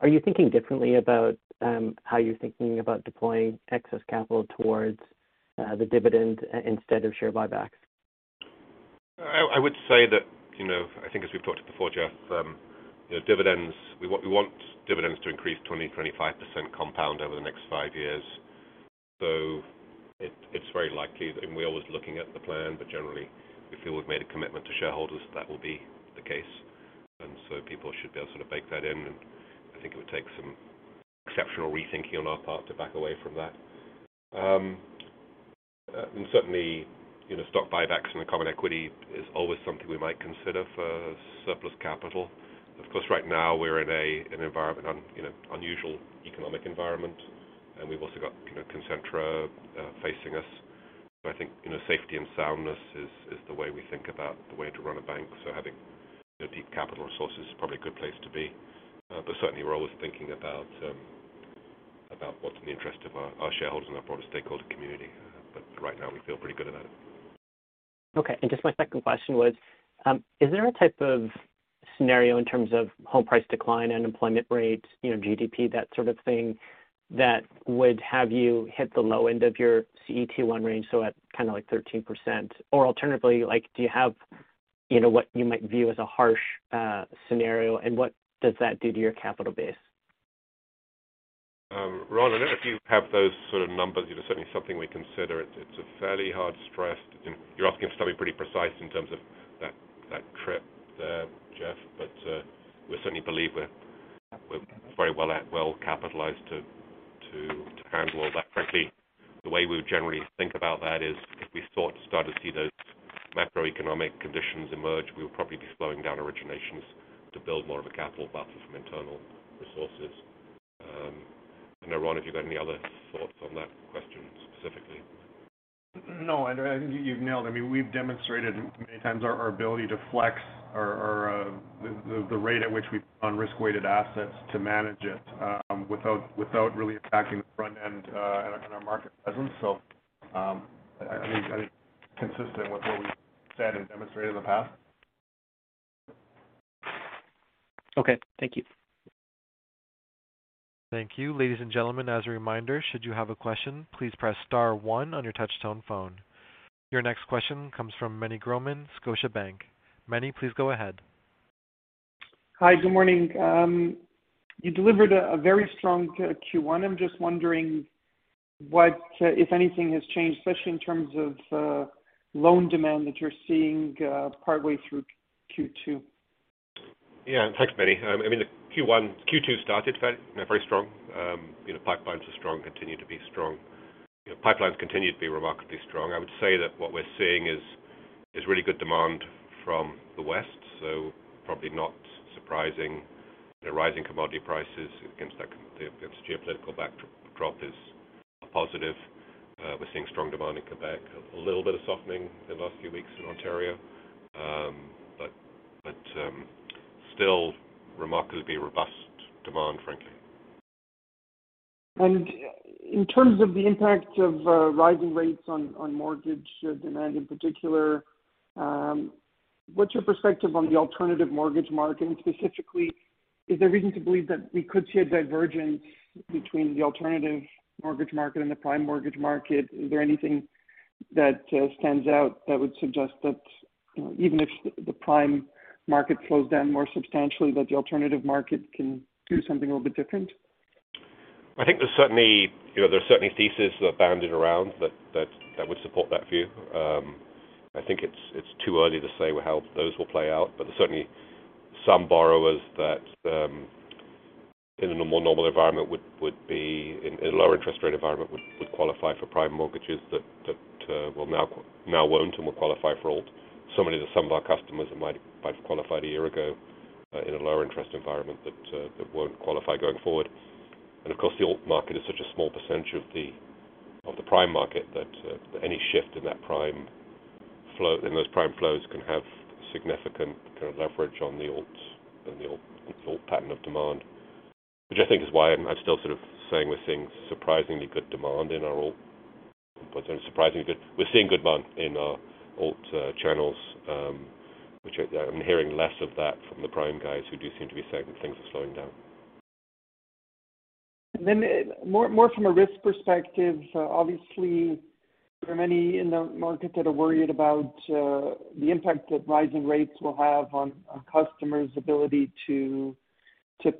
are you thinking differently about how you're thinking about deploying excess capital towards the dividend instead of share buybacks? I would say that, you know, I think as we've talked about before, Jeff, you know, dividends. We want dividends to increase 20%-25% compound over the next five years. It's very likely, and we're always looking at the plan, but generally, we feel we've made a commitment to shareholders that that will be the case. People should be able to sort of bake that in, and I think it would take some exceptional rethinking on our part to back away from that. Certainly, you know, stock buybacks and the common equity is always something we might consider for surplus capital. Of course, right now we're in an unusual economic environment, and we've also got, you know, Concentra facing us. I think, you know, safety and soundness is the way we think about the way to run a bank. Having good deep capital resources is probably a good place to be. Certainly we're always thinking about what's in the interest of our shareholders and our broader stakeholder community. Right now we feel pretty good about it. Okay. Just my second question was, is there a type of scenario in terms of home price decline and employment rates, you know, GDP, that sort of thing, that would have you hit the low end of your CET1 range, so at kind of like 13%? Or alternatively, like, do you have, you know, what you might view as a harsh scenario, and what does that do to your capital base? Ron, I don't know if you have those sort of numbers. You know, certainly something we consider. It's a fairly hard stress. You're asking us to be pretty precise in terms of that trip there, Jeff, but we certainly believe we're very well capitalized to handle that. Frankly, the way we would generally think about that is if we start to see those macroeconomic conditions emerge, we would probably be slowing down originations to build more of a capital buffer from internal resources. I don't know, Ron, if you've got any other thoughts on that question specifically. No, I think you've nailed it. I mean, we've demonstrated many times our ability to flex the rate at which we put on risk-weighted assets to manage it, without really attacking the front end, and our market presence. I think consistent with what we've said and demonstrated in the past. Okay. Thank you. Thank you. Ladies and gentlemen, as a reminder, should you have a question, please press star one on your touch tone phone. Your next question comes from Mike Rizvanovic, Scotiabank. Mike, please go ahead. Hi. Good morning. You delivered a very strong Q1. I'm just wondering what, if anything, has changed, especially in terms of loan demand that you're seeing partway through Q2? Yeah. Thanks, Mike Rizvanovic. I mean, the Q2 started very, you know, very strong. You know, pipelines are strong, continue to be strong. You know, pipelines continue to be remarkably strong. I would say that what we're seeing is really good demand from the West. Probably not surprising. You know, rising commodity prices against geopolitical backdrop is a positive. We're seeing strong demand in Québec. A little bit of softening in the last few weeks in Ontario. But still remarkably robust demand, frankly. In terms of the impact of rising rates on mortgage demand in particular, what's your perspective on the alternative mortgage market? Specifically, is there reason to believe that we could see a divergence between the alternative mortgage market and the prime mortgage market? Is there anything that stands out that would suggest that, you know, even if the prime market slows down more substantially, that the alternative market can do something a little bit different? I think there's certainly, you know, there's certainly theses that are bandied around that would support that view. I think it's too early to say how those will play out, but there's certainly some borrowers that in a more normal environment would be in a lower interest rate environment would qualify for prime mortgages that well now won't and will qualify for alt. Similarly some of our customers that might have qualified a year ago in a lower interest environment that won't qualify going forward. Of course, the alt market is such a small percentage of the prime market that any shift in those prime flows can have significant kind of leverage on the alts and the alt pattern of demand. Which I think is why I'm still sort of saying we're seeing surprisingly good demand in our alt channels, which I'm hearing less of that from the prime guys who do seem to be saying things are slowing down. More from a risk perspective, obviously there are many in the market that are worried about the impact that rising rates will have on our customers' ability to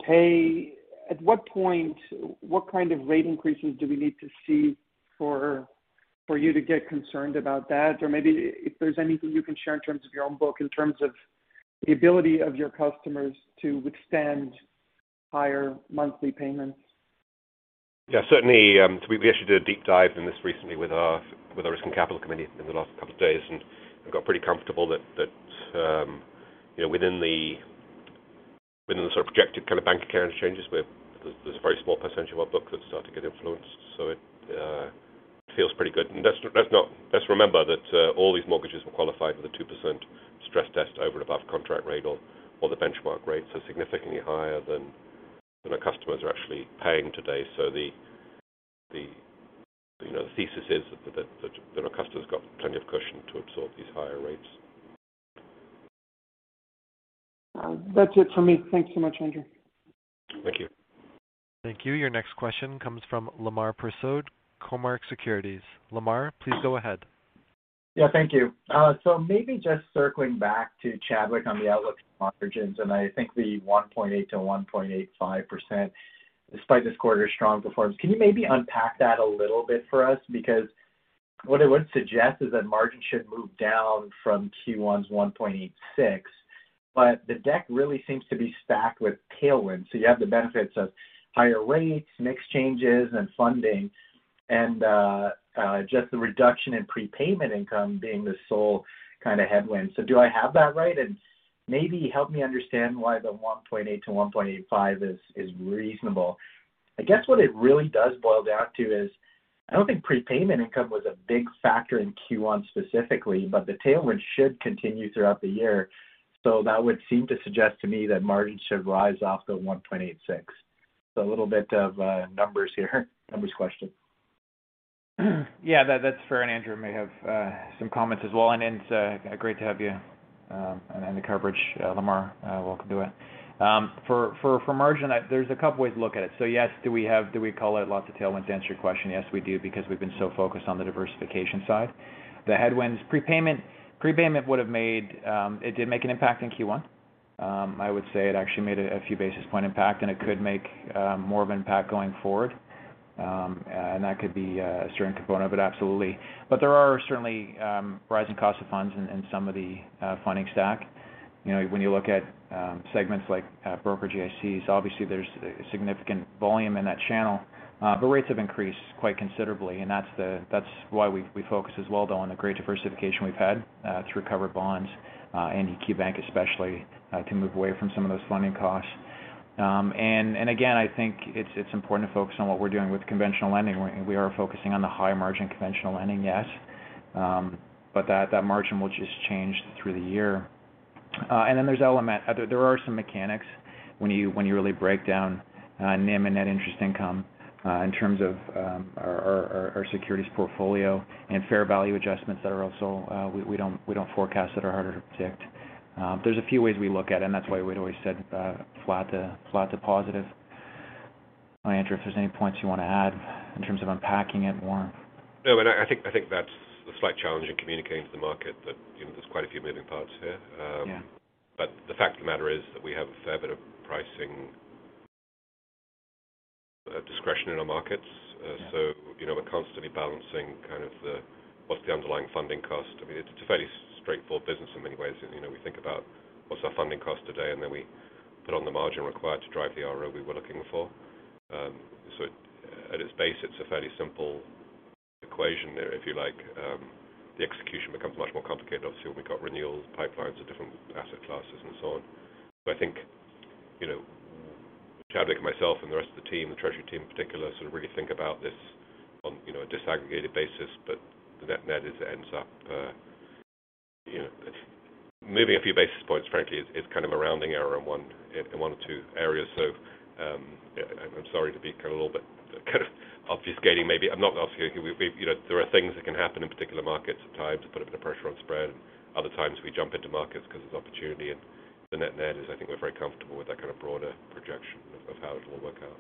pay. At what point, what kind of rate increases do we need to see for you to get concerned about that? Or maybe if there's anything you can share in terms of your own book, in terms of the ability of your customers to withstand higher monthly payments? Yeah, certainly, we actually did a deep dive in this recently with our risk and capital committee in the last couple of days, and got pretty comfortable that, you know, within the sort of projected kind of Bank of Canada changes, where there's a very small percentage of our book that start to get influenced. It feels pretty good. Let's remember that, all these mortgages were qualified for the 2% stress test over and above contract rate or the benchmark rates are significantly higher than our customers are actually paying today. The you know, the thesis is that our customers got plenty of cushion to absorb these higher rates. That's it for me. Thanks so much, Andrew. Thank you. Thank you. Your next question comes from Lemar Persaud, Cormark Securities. Lemar, please go ahead. Yeah, thank you. Maybe just circling back to Chadwick on the outlook margins, and I think the 1.8%-1.85%, despite this quarter's strong performance. Can you maybe unpack that a little bit for us? Because what it would suggest is that margin should move down from Q1's 1.86%, but the deck really seems to be stacked with tailwind. You have the benefits of higher rates, mix changes and funding and just the reduction in prepayment income being the sole kind of headwind. Do I have that right? And maybe help me understand why the 1.8%-1.85% is reasonable. I guess what it really does boil down to is, I don't think prepayment income was a big factor in Q1 specifically, but the tailwind should continue throughout the year. That would seem to suggest to me that margin should rise off the 1.86%. A little bit of numbers here, numbers question. Yeah, that's fair, and Andrew may have some comments as well. It's great to have you and the coverage, Lemar. Welcome to it. For margin, there's a couple ways to look at it. Yes, do we call it lots of tailwinds? To answer your question, yes, we do, because we've been so focused on the diversification side. The headwinds, prepayment. Prepayment did make an impact in Q1. I would say it actually made a few basis points impact, and it could make more of an impact going forward. That could be a certain component of it, absolutely. But there are certainly rising cost of funds in some of the funding stack. You know, when you look at segments like broker GICs, obviously there's significant volume in that channel. Rates have increased quite considerably, and that's why we focus as well, though, on the great diversification we've had to covered bonds and EQ Bank especially to move away from some of those funding costs. Again, I think it's important to focus on what we're doing with conventional lending. We are focusing on the higher margin conventional lending, yes, but that margin will just change through the year. There are some mechanics when you really break down NIM and net interest income in terms of our securities portfolio and fair value adjustments we don't forecast that are harder to predict. There's a few ways we look at it, and that's why we'd always said flat to positive. Andrew, if there's any points you want to add in terms of unpacking it more. No, but I think that's a slight challenge in communicating to the market that, you know, there's quite a few moving parts here. Yeah. The fact of the matter is that we have a fair bit of pricing discretion in our markets. Yeah. You know, we're constantly balancing kind of the what's the underlying funding cost. I mean, it's a fairly straightforward business in many ways. You know, we think about what's our funding cost today, and then we put on the margin required to drive the ROE we were looking for. At its base, it's a fairly simple equation there, if you like. The execution becomes much more complicated, obviously, when we've got renewals, pipelines of different asset classes and so on. I think, you know, Chadwick, myself and the rest of the team, the treasury team in particular, sort of really think about this on, you know, a disaggregated basis. The net net is it ends up, you know, moving a few basis points, frankly, is kind of a rounding error in one or two areas. I'm sorry to be kind of a little bit kind of obfuscating maybe. I'm not obfuscating. You know, there are things that can happen in particular markets at times that put a bit of pressure on spread, and other times we jump into markets 'cause there's opportunity. The net net is I think we're very comfortable with that kind of broader projection of how it'll all work out.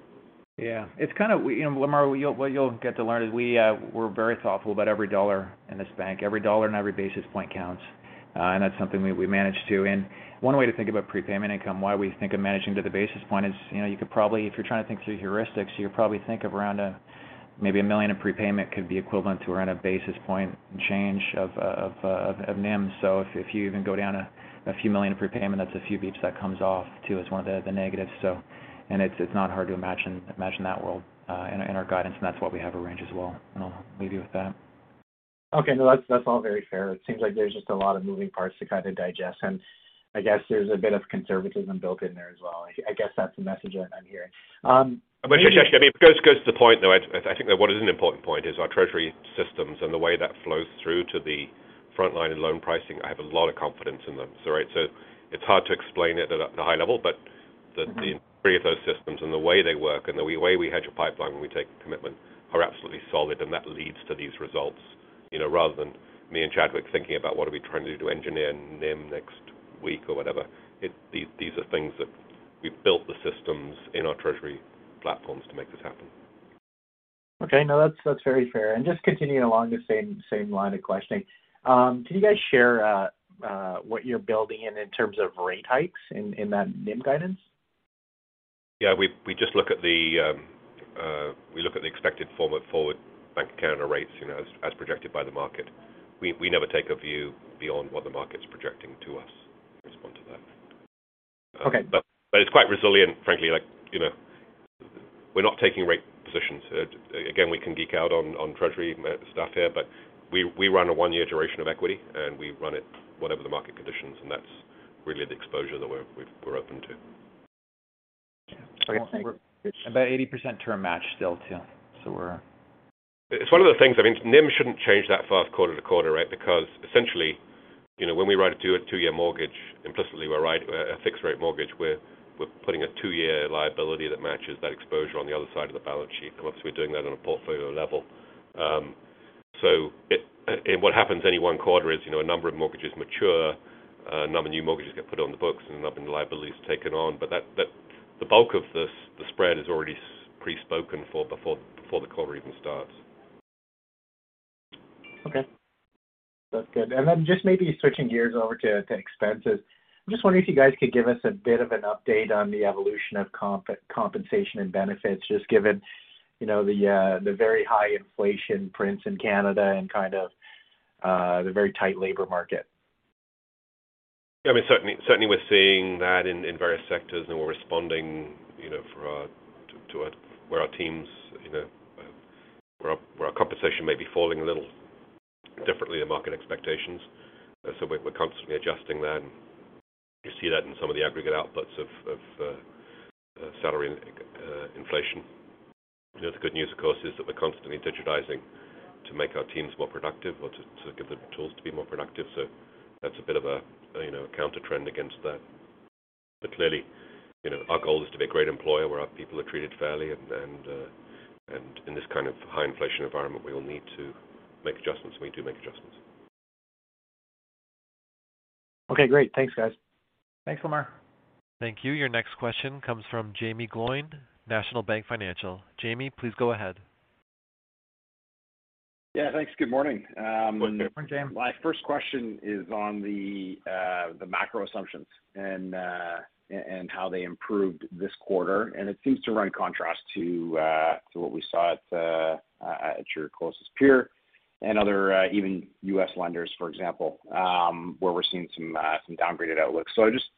Yeah. It's kind of. You know, Lemar, what you'll get to learn is we're very thoughtful about every dollar in this bank. Every dollar and every basis point counts, and that's something we manage to. One way to think about prepayment income, why we think of managing to the basis point is, you know, you could probably if you're trying to think through heuristics, you probably think of around maybe 1 million in prepayment could be equivalent to around a basis point change of NIM. So if you even go down a few million in prepayment, that's a few beeps that comes off too as one of the negatives. It's not hard to imagine that world in our guidance, and that's why we have a range as well. I'll leave you with that. Okay. No, that's all very fair. It seems like there's just a lot of moving parts to kind of digest, and I guess there's a bit of conservatism built in there as well. I guess that's the message that I'm hearing. It goes to the point, though. I think that what is an important point is our treasury systems and the way that flows through to the frontline and loan pricing. I have a lot of confidence in them. Right. It's hard to explain it at a high level, but the three of those systems and the way they work and the way we hedge a pipeline when we take commitment are absolutely solid, and that leads to these results. You know, rather than me and Chadwick thinking about what are we trying to do to engineer NIM next week or whatever. It's these things that we've built the systems in our treasury platforms to make this happen. Okay. No, that's very fair. Just continuing along the same line of questioning. Can you guys share what you're building in terms of rate hikes in that NIM guidance? We just look at the expected path for the Bank of Canada rates, you know, as projected by the market. We never take a view beyond what the market's projecting to us to respond to that. Okay. It's quite resilient, frankly. Like, you know, we're not taking rate positions. Again, we can geek out on Treasury stuff here, but we run a one-year duration of equity, and we run it whatever the market conditions, and that's really the exposure that we're open to. Okay. About 80% term match still too. It's one of the things. I mean, NIM shouldn't change that fast quarter to quarter, right? Because essentially, you know, when we write a two-year mortgage, implicitly, we're writing a fixed rate mortgage. We're putting a two-year liability that matches that exposure on the other side of the balance sheet. Obviously, we're doing that on a portfolio level. What happens any one quarter is, you know, a number of mortgages mature, a number of new mortgages get put on the books, and another liability is taken on. That, the bulk of this, the spread is already priced in before the quarter even starts. Okay. That's good. Just maybe switching gears over to expenses. I'm just wondering if you guys could give us a bit of an update on the evolution of compensation and benefits, just given, you know, the very high inflation prints in Canada and kind of the very tight labor market. I mean, certainly we're seeing that in various sectors, and we're responding, you know, to where our teams, you know, where our compensation may be falling a little differently than market expectations. We're constantly adjusting that. You see that in some of the aggregate outputs of salary inflation. You know, the good news, of course, is that we're constantly digitizing to make our teams more productive or to give them tools to be more productive. So that's a bit of a, you know, a countertrend against that. But clearly, you know, our goal is to be a great employer where our people are treated fairly. In this kind of high inflation environment, we will need to make adjustments, and we do make adjustments. Okay, great. Thanks, guys. Thanks, Lemar. Thank you. Your next question comes from Jaeme Gloyn, National Bank Financial. Jaeme, please go ahead. Yeah, thanks. Good morning. Good morning, Jaeme. My first question is on the macro assumptions and how they improved this quarter. It seems to run in contrast to what we saw at your closest peer and other even US lenders, for example, where we're seeing some downgraded outlooks. I just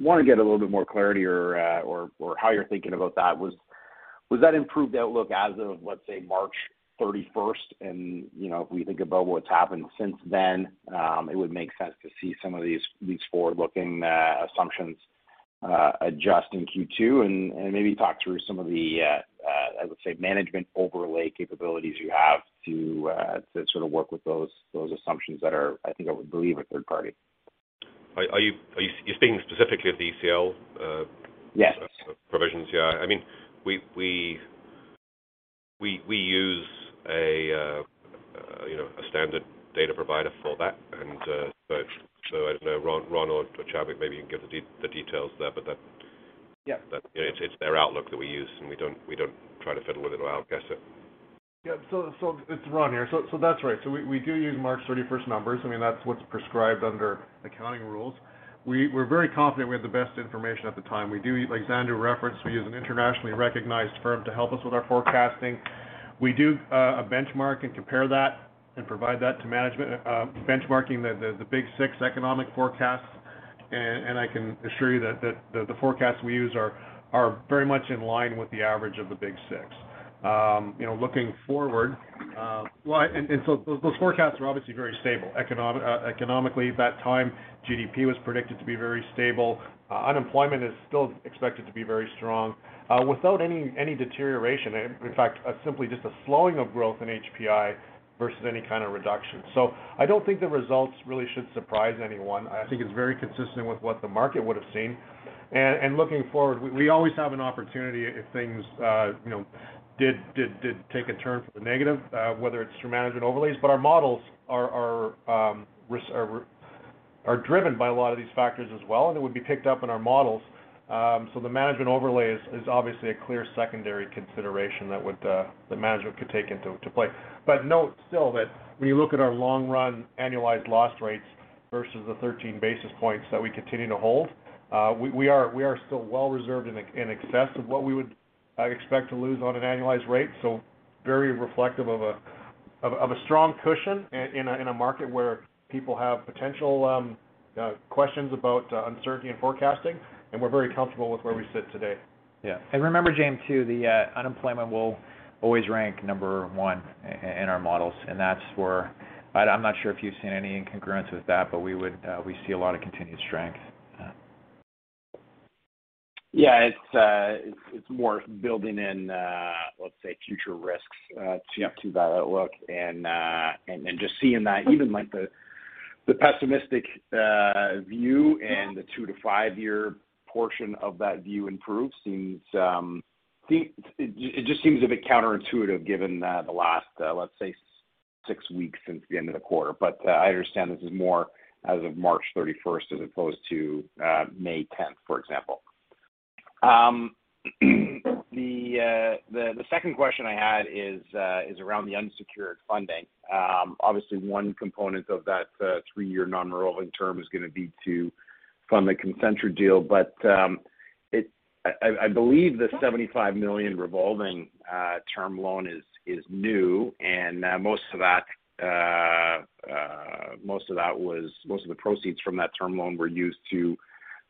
want to get a little bit more clarity or how you're thinking about that. Was that improved outlook as of, let's say, March thirty-first? You know, if we think about what's happened since then, it would make sense to see some of these forward-looking assumptions adjust in Q2 and maybe talk through some of the, I would say, management overlay capabilities you have to sort of work with those assumptions that are, I think, I would believe, third party. Are you speaking specifically of the ECL? Yes Provisions. Yeah. I mean, we use a, you know, a standard data provider for that. But so I don't know, Ron or Chadwick, maybe you can give the details there, but that. Yeah. That it's their outlook that we use, and we don't try to fiddle with it or outguess it. Yeah. It's Ron here. That's right. We do use March thirty-first numbers. I mean, that's what's prescribed under accounting rules. We're very confident we have the best information at the time. We do, like Andrew referenced, we use an internationally recognized firm to help us with our forecasting. We do a benchmark and compare that and provide that to management, benchmarking the big six economic forecasts. And I can assure you that the forecasts we use are very much in line with the average of the big six. You know, looking forward, well, those forecasts are obviously very stable. Economically, at that time, GDP was predicted to be very stable. Unemployment is still expected to be very strong, without any deterioration, in fact, simply just a slowing of growth in HPI versus any kind of reduction. I don't think the results really should surprise anyone. I think it's very consistent with what the market would have seen. Looking forward, we always have an opportunity if things, you know, did take a turn for the negative, whether it's through management overlays. Our models are driven by a lot of these factors as well, and it would be picked up in our models. The management overlay is obviously a clear secondary consideration that the management could take into play. Note still that when you look at our long run annualized loss rates versus the 13 basis points that we continue to hold, we are still well reserved in excess of what we would expect to lose on an annualized rate. Very reflective of a strong cushion in a market where people have potential questions about uncertainty and forecasting, and we're very comfortable with where we sit today. Yeah. Remember, Jaeme, too, the unemployment will always rank number one in our models, and that's where I'm not sure if you've seen any incongruence with that, but we see a lot of continued strength. Yeah. It's more building in, let's say, future risks. Yeah... to that outlook. Just seeing that even like the pessimistic view and the two- to five-year portion of that view improve. It just seems a bit counterintuitive given the last, let's say, six weeks since the end of the quarter. I understand this is more as of March thirty-first as opposed to May tenth, for example. The second question I had is around the unsecured funding. Obviously, one component of that three-year non-revolving term is gonna be to fund the Concentra deal. I believe the 75 million revolving term loan is new, and most of that was... Most of the proceeds from that term loan were used to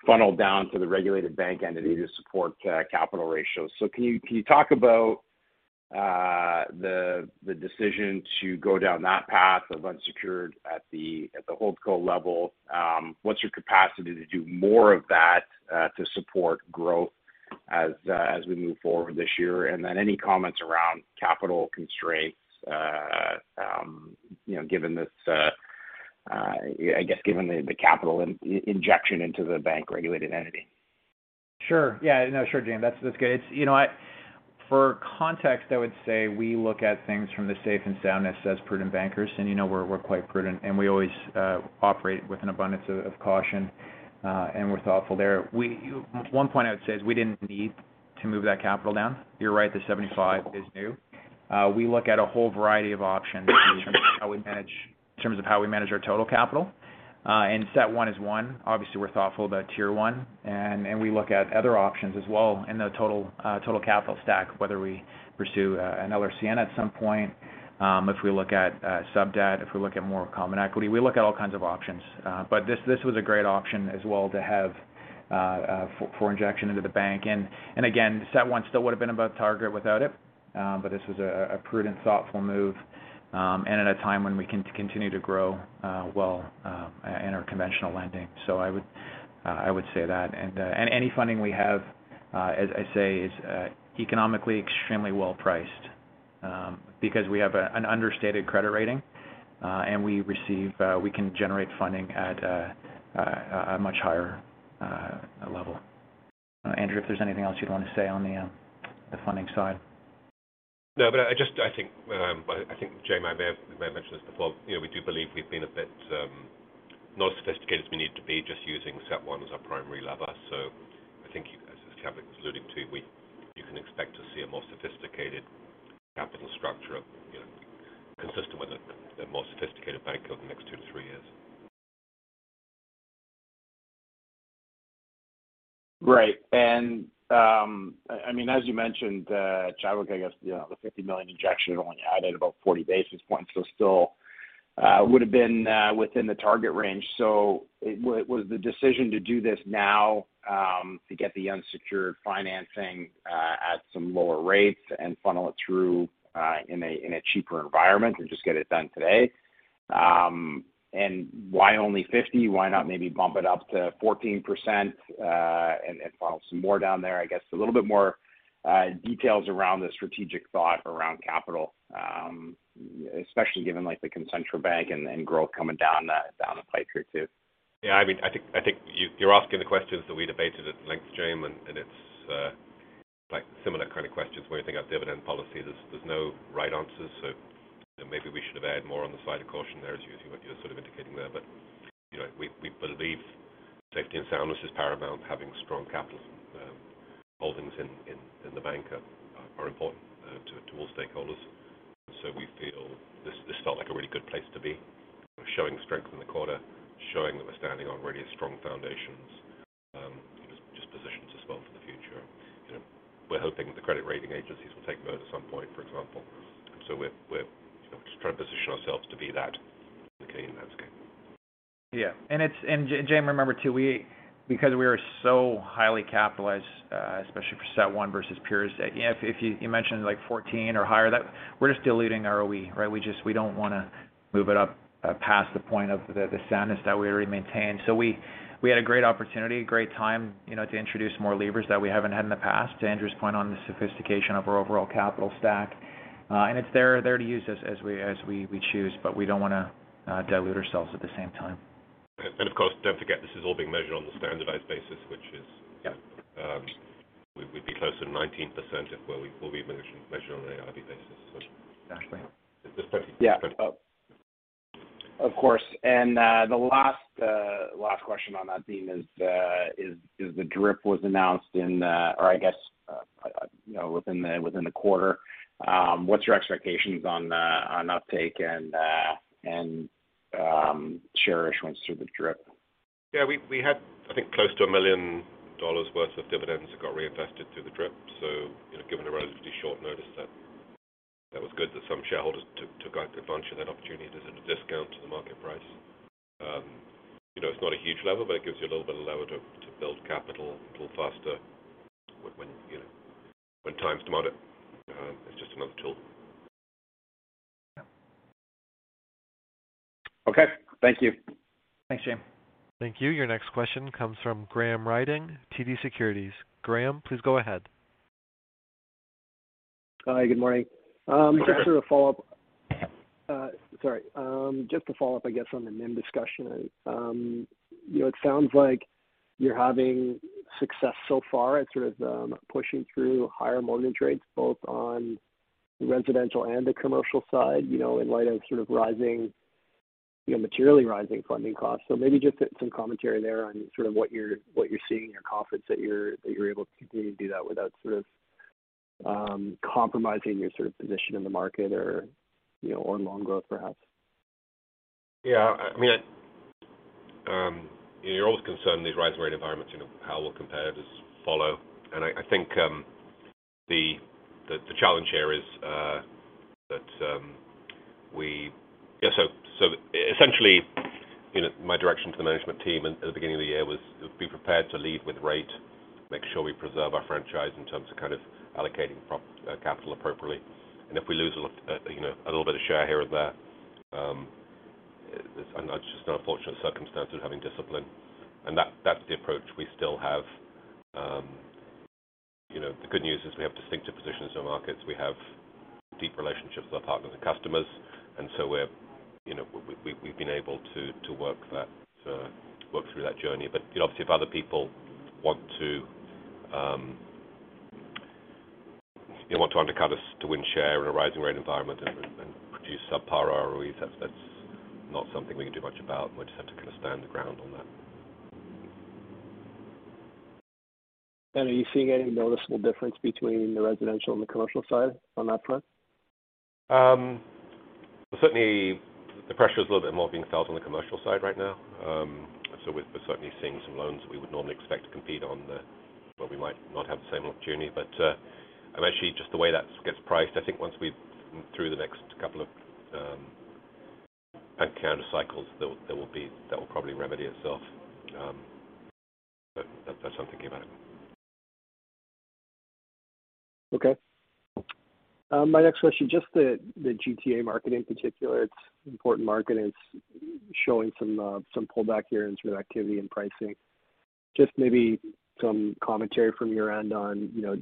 funnel down to the regulated bank entity to support capital ratios. Can you talk about the decision to go down that path of unsecured at the holdco level? What's your capacity to do more of that to support growth as we move forward this year? Any comments around capital constraints, you know, given this, I guess given the capital injection into the regulated bank entity. Sure. Yeah. No, sure, Jim. That's good. You know what, for context, I would say we look at things from the safety and soundness as prudent bankers, and we're quite prudent, and we always operate with an abundance of caution, and we're thoughtful there. One point I would say is we didn't need to move that capital down. You're right, the 75 is new. We look at a whole variety of options in terms of how we manage our total capital. And CET1 is one. Obviously, we're thoughtful about Tier 1, and we look at other options as well in the total capital stack, whether we pursue an LRCN at some point, if we look at sub-debt, if we look at more common equity. We look at all kinds of options. This was a great option as well to have for injection into the bank. Again, CET1 still would've been above target without it, but this was a prudent, thoughtful move, and at a time when we continue to grow in our conventional lending. I would say that. Any funding we have, as I say, is economically extremely well priced, because we have an understated credit rating, and we receive, we can generate funding at a much higher level. Andrew, if there's anything else you'd want to say on the funding side? No, I just think Jaeme Gloyn, I may have mentioned this before. You know, we do believe we've been a bit not as sophisticated as we need to be just using CET1 as our primary lever. I think as Chadwick Westlake was alluding to, you can expect to see a more sophisticated capital structure, you know, consistent with the more sophisticated bank over the next two-three years. Right. I mean, as you mentioned, Chadwick, I guess, you know, the 50 million injection only added about 40 basis points. Still, would have been within the target range. Was the decision to do this now to get the unsecured financing at some lower rates and funnel it through in a cheaper environment and just get it done today? And why only 50 million? Why not maybe bump it up to 14% and funnel some more down there? I guess a little bit more details around the strategic thought around capital, especially given, like, the Concentra Bank and growth coming down the pipe here too. Yeah, I mean, I think you're asking the questions that we debated at length, Jaeme Gloyn, and it's like similar kind of questions when you think of dividend policy. There's no right answers. You know, maybe we should have erred more on the side of caution there, as you're sort of indicating there. You know, we believe safety and soundness is paramount. Having strong capital holdings in the bank are important to all stakeholders. We feel this felt like a really good place to be. We're showing strength in the quarter, showing that we're standing on really strong foundations, just positions us well for the future. You know, we're hoping the credit rating agencies will take note at some point, for example. We're, you know, just trying to position ourselves to be that in the Canadian landscape. Jaeme, remember too, because we are so highly capitalized, especially for CET1 versus peers, if you mentioned like 14 or higher, that we're just diluting our ROE, right? We don't wanna move it up past the point of the soundness that we already maintain. We had a great opportunity, a great time, you know, to introduce more levers that we haven't had in the past. To Andrew's point on the sophistication of our overall capital stack, and it's there to use as we choose, but we don't wanna dilute ourselves at the same time. Of course, don't forget this is all being measured on the standardized basis, which is- Yeah. We'd be closer to 19% if we measure on an IRB basis. Exactly. Just pretty- Yeah. Of course. The last question on that theme is the DRIP was announced in or I guess you know within the quarter. What's your expectations on uptake and share issuance through the DRIP? Yeah, we had, I think close to 1 million dollars worth of dividends that got reinvested through the DRIP. You know, given the relatively short notice that was good that some shareholders took advantage of that opportunity. There's a discount to the market price. You know, it's not a huge level, but it gives you a little bit of lever to build capital a little faster when, you know, when times demand it. It's just another tool. Yeah. Okay. Thank you. Thanks, Jim. Thank you. Your next question comes from Graham Ryding, TD Securities. Graham, please go ahead. Hi. Good morning. Hi, Graham. Just sort of a follow-up, sorry, I guess, on the NIM discussion. You know, it sounds like you're having success so far at sort of pushing through higher mortgage rates, both on the residential and the commercial side, you know, in light of sort of rising, you know, materially rising funding costs. Maybe just some commentary there on sort of what you're seeing in your confidence that you're able to continue to do that without sort of compromising your sort of position in the market or, you know, or loan growth, perhaps. You're always concerned in these rising rate environments, you know, how we'll compare does follow. I think the challenge here is essentially, you know, my direction to the management team at the beginning of the year was to be prepared to lead with rate, make sure we preserve our franchise in terms of kind of allocating capital appropriately. If we lose a little, you know, a little bit of share here and there, it's just an unfortunate circumstance of having discipline. That's the approach we still have. You know, the good news is we have distinctive positions in our markets. We have deep relationships with our partners and customers, and so we're, you know, we've been able to work through that journey. You know, obviously if other people want to, you know, want to undercut us to win share in a rising rate environment and produce subpar ROEs, that's not something we can do much about. We just have to kind of stand our ground on that. Are you seeing any noticeable difference between the residential and the commercial side on that front? Certainly the pressure is a little bit more being felt on the commercial side right now. We're certainly seeing some loans that we would normally expect to compete. We might not have the same opportunity. I mean, actually just the way that gets priced, I think once we make it through the next couple of Bank of Canada cycles, that will probably remedy itself. That's how I'm thinking about it. Okay. My next question, just the GTA market in particular. It's important market. It's showing some pullback here in terms of activity and pricing. Just maybe some commentary from your end on, you know,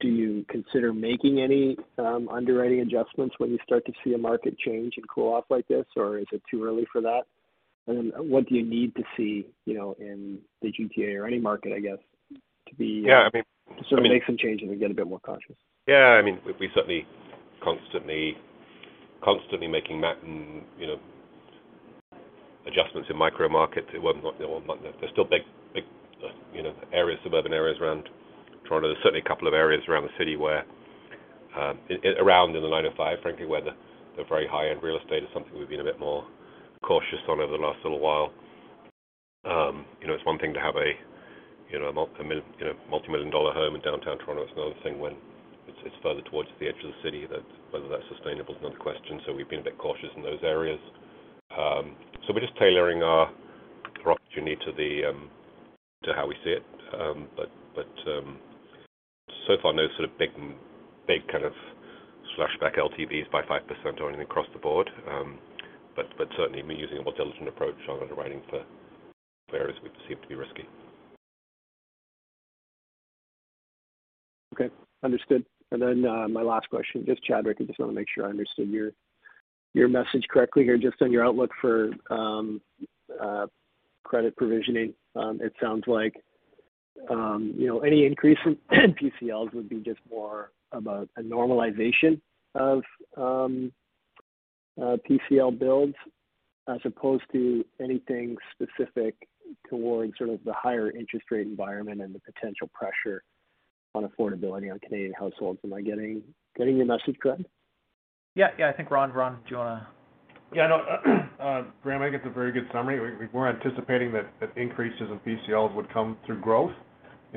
do you consider making any underwriting adjustments when you start to see a market change and cool off like this, or is it too early for that? What do you need to see, you know, in the GTA or any market, I guess, to be Yeah, I mean. To sort of make some changes and get a bit more cautious. Yeah, I mean, we certainly constantly making you know, adjustments in micro markets. They're still big you know, areas, suburban areas around Toronto. There's certainly a couple of areas around the city where around in the 905, frankly, where the very high-end real estate is something we've been a bit more cautious on over the last little while. You know, it's one thing to have a multimillion-dollar home in downtown Toronto. It's another thing when it's further towards the edge of the city that whether that's sustainable is another question. We've been a bit cautious in those areas. We're just tailoring our opportunity to how we see it. So far, no sort of big kind of slashed back LTVs by 5% or anything across the board. Certainly me using a more diligent approach on underwriting for areas we perceive to be risky. Okay. Understood. My last question, just Chadwick, I just want to make sure I understood your message correctly here, just on your outlook for credit provisioning. It sounds like, you know, any increase in PCLs would be just more of a normalization of PCL builds as opposed to anything specific towards sort of the higher interest rate environment and the potential pressure on affordability on Canadian households. Am I getting your message correct? Yeah. Yeah. I think Ron, do you wanna… Yeah, no. Graham, I think that's a very good summary. We were anticipating that increases in PCLs would come through growth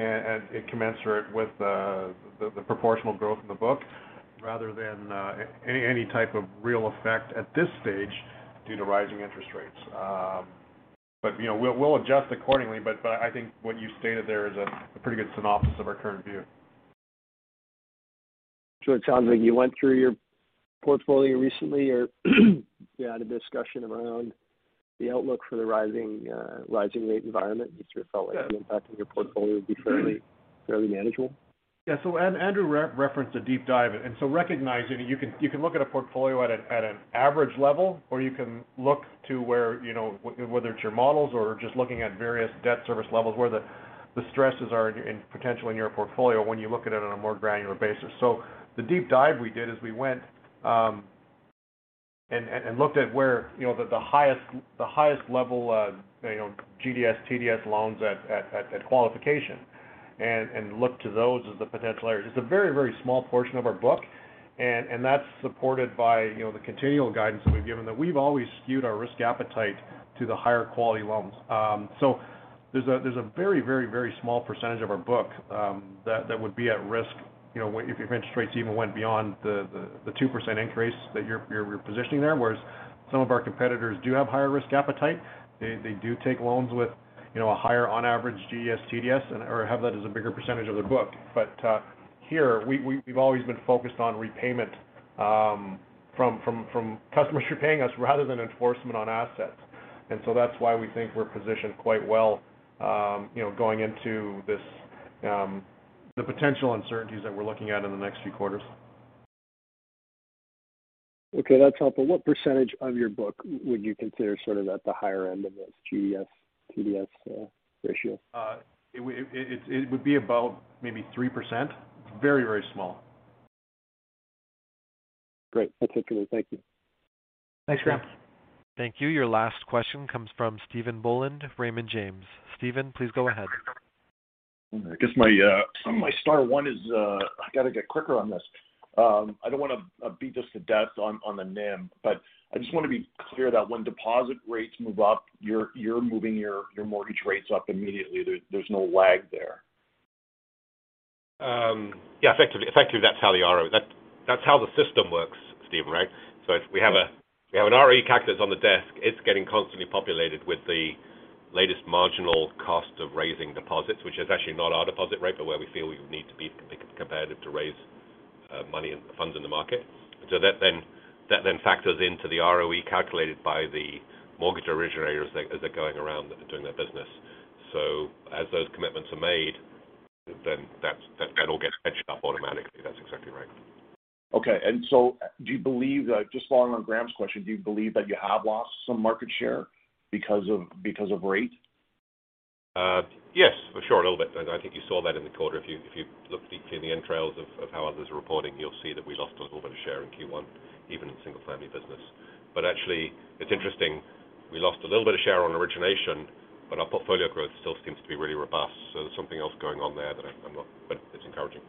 and commensurate with the proportional growth in the book rather than any type of real effect at this stage due to rising interest rates. You know, we'll adjust accordingly. I think what you stated there is a pretty good synopsis of our current view. It sounds like you went through your portfolio recently or you had a discussion around the outlook for the rising rate environment, and you sort of felt like the impact on your portfolio would be fairly manageable. Yeah. Andrew referenced a deep dive. Recognizing you can look at a portfolio at an average level, or you can look to where, you know, whether it's your models or just looking at various debt service levels, where the stresses are potentially in your portfolio when you look at it on a more granular basis. The deep dive we did is we went and looked at where, you know, the highest level GDS, TDS loans at qualification and looked to those as the potential areas. It's a very small portion of our book, and that's supported by, you know, the continual guidance that we've given, that we've always skewed our risk appetite to the higher quality loans. There's a very small percentage of our book that would be at risk, you know, if interest rates even went beyond the 2% increase that you're positioning there, whereas some of our competitors do have higher risk appetite. They do take loans with, you know, a higher on average GDS, TDS or have that as a bigger percentage of their book. Here we've always been focused on repayment from customers who are paying us rather than enforcement on assets. That's why we think we're positioned quite well, you know, going into this, the potential uncertainties that we're looking at in the next few quarters. Okay, that's helpful. What percentage of your book would you consider sort of at the higher end of this GDS, TDS, ratio? It would be about maybe 3%. Very, very small. Great. That's it for me. Thank you. Thanks, Graham. Thank you. Your last question comes from Stephen Boland, Raymond James. Steven, please go ahead. I guess my star one is, I gotta get quicker on this. I don't wanna beat this to death on the NIM, but I just wanna be clear that when deposit rates move up, you're moving your mortgage rates up immediately. There's no lag there. Effectively, that's how the system works, Stephen, right? If we have an ROE calculator on the desk, it's getting constantly populated with the latest marginal cost of raising deposits, which is actually not our deposit rate, but where we feel we need to be competitive to raise money and funds in the market. That then factors into the ROE calculated by the mortgage originators as they're going around doing their business. As those commitments are made, then that all gets hedged up automatically. That's exactly right. Okay. Do you believe, just following on Graham's question, that you have lost some market share because of rate? Yes, for sure, a little bit, and I think you saw that in the quarter. If you look deeply in the entrails of how others are reporting, you'll see that we lost a little bit of share in Q1, even in the single family business. Actually, it's interesting. We lost a little bit of share on origination, but our portfolio growth still seems to be really robust, so there's something else going on there that I'm not. It's encouraging.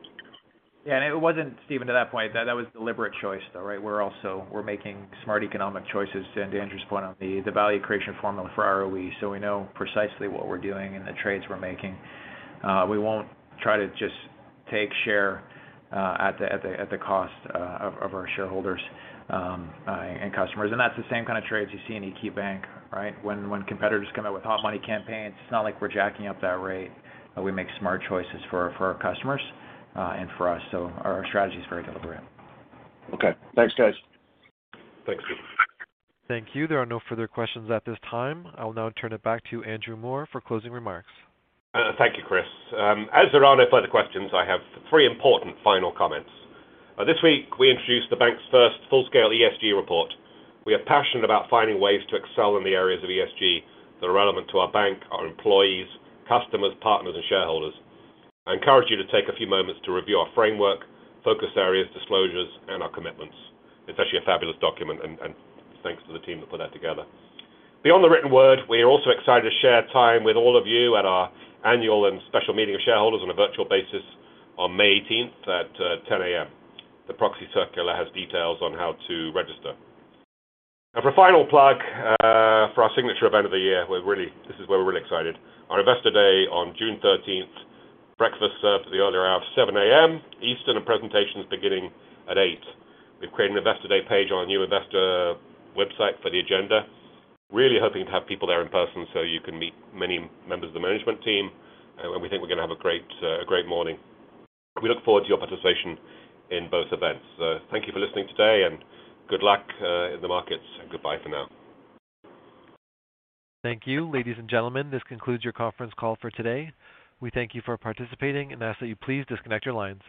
Yeah. It wasn't Stephen, to that point, that was deliberate choice though, right? We're also making smart economic choices, to Andrew's point, on the value creation formula for ROE. We know precisely what we're doing and the trades we're making. We won't try to just take share at the cost of our shareholders and customers. That's the same kind of trades you see in EQ Bank, right? When competitors come out with hot money campaigns, it's not like we're jacking up that rate. We make smart choices for our customers and for us, so our strategy is very deliberate. Okay. Thanks, guys. Thanks. Thank you. There are no further questions at this time. I will now turn it back to Andrew Moor for closing remarks. Thank you, Chris. As there are no further questions, I have three important final comments. This week we introduced the bank's first full-scale ESG report. We are passionate about finding ways to excel in the areas of ESG that are relevant to our bank, our employees, customers, partners, and shareholders. I encourage you to take a few moments to review our framework, focus areas, disclosures, and our commitments. It's actually a fabulous document and thanks to the team that put that together. Beyond the written word, we are also excited to share time with all of you at our annual and special meeting of shareholders on a virtual basis on May eighteenth at 10:00 A.M. The proxy circular has details on how to register. For final plug for our signature event of the year, this is where we're really excited. Our Investor Day on June thirteenth. Breakfast served for the earlier hour of 7:00 A.M. Eastern, and presentations beginning at 8:00 A.M. We've created an Investor Day page on our new investor website for the agenda. Really hoping to have people there in person so you can meet many members of the management team. We think we're gonna have a great morning. We look forward to your participation in both events. Thank you for listening today, and good luck in the markets. Goodbye for now. Thank you. Ladies and gentlemen, this concludes your conference call for today. We thank you for participating and ask that you please disconnect your lines.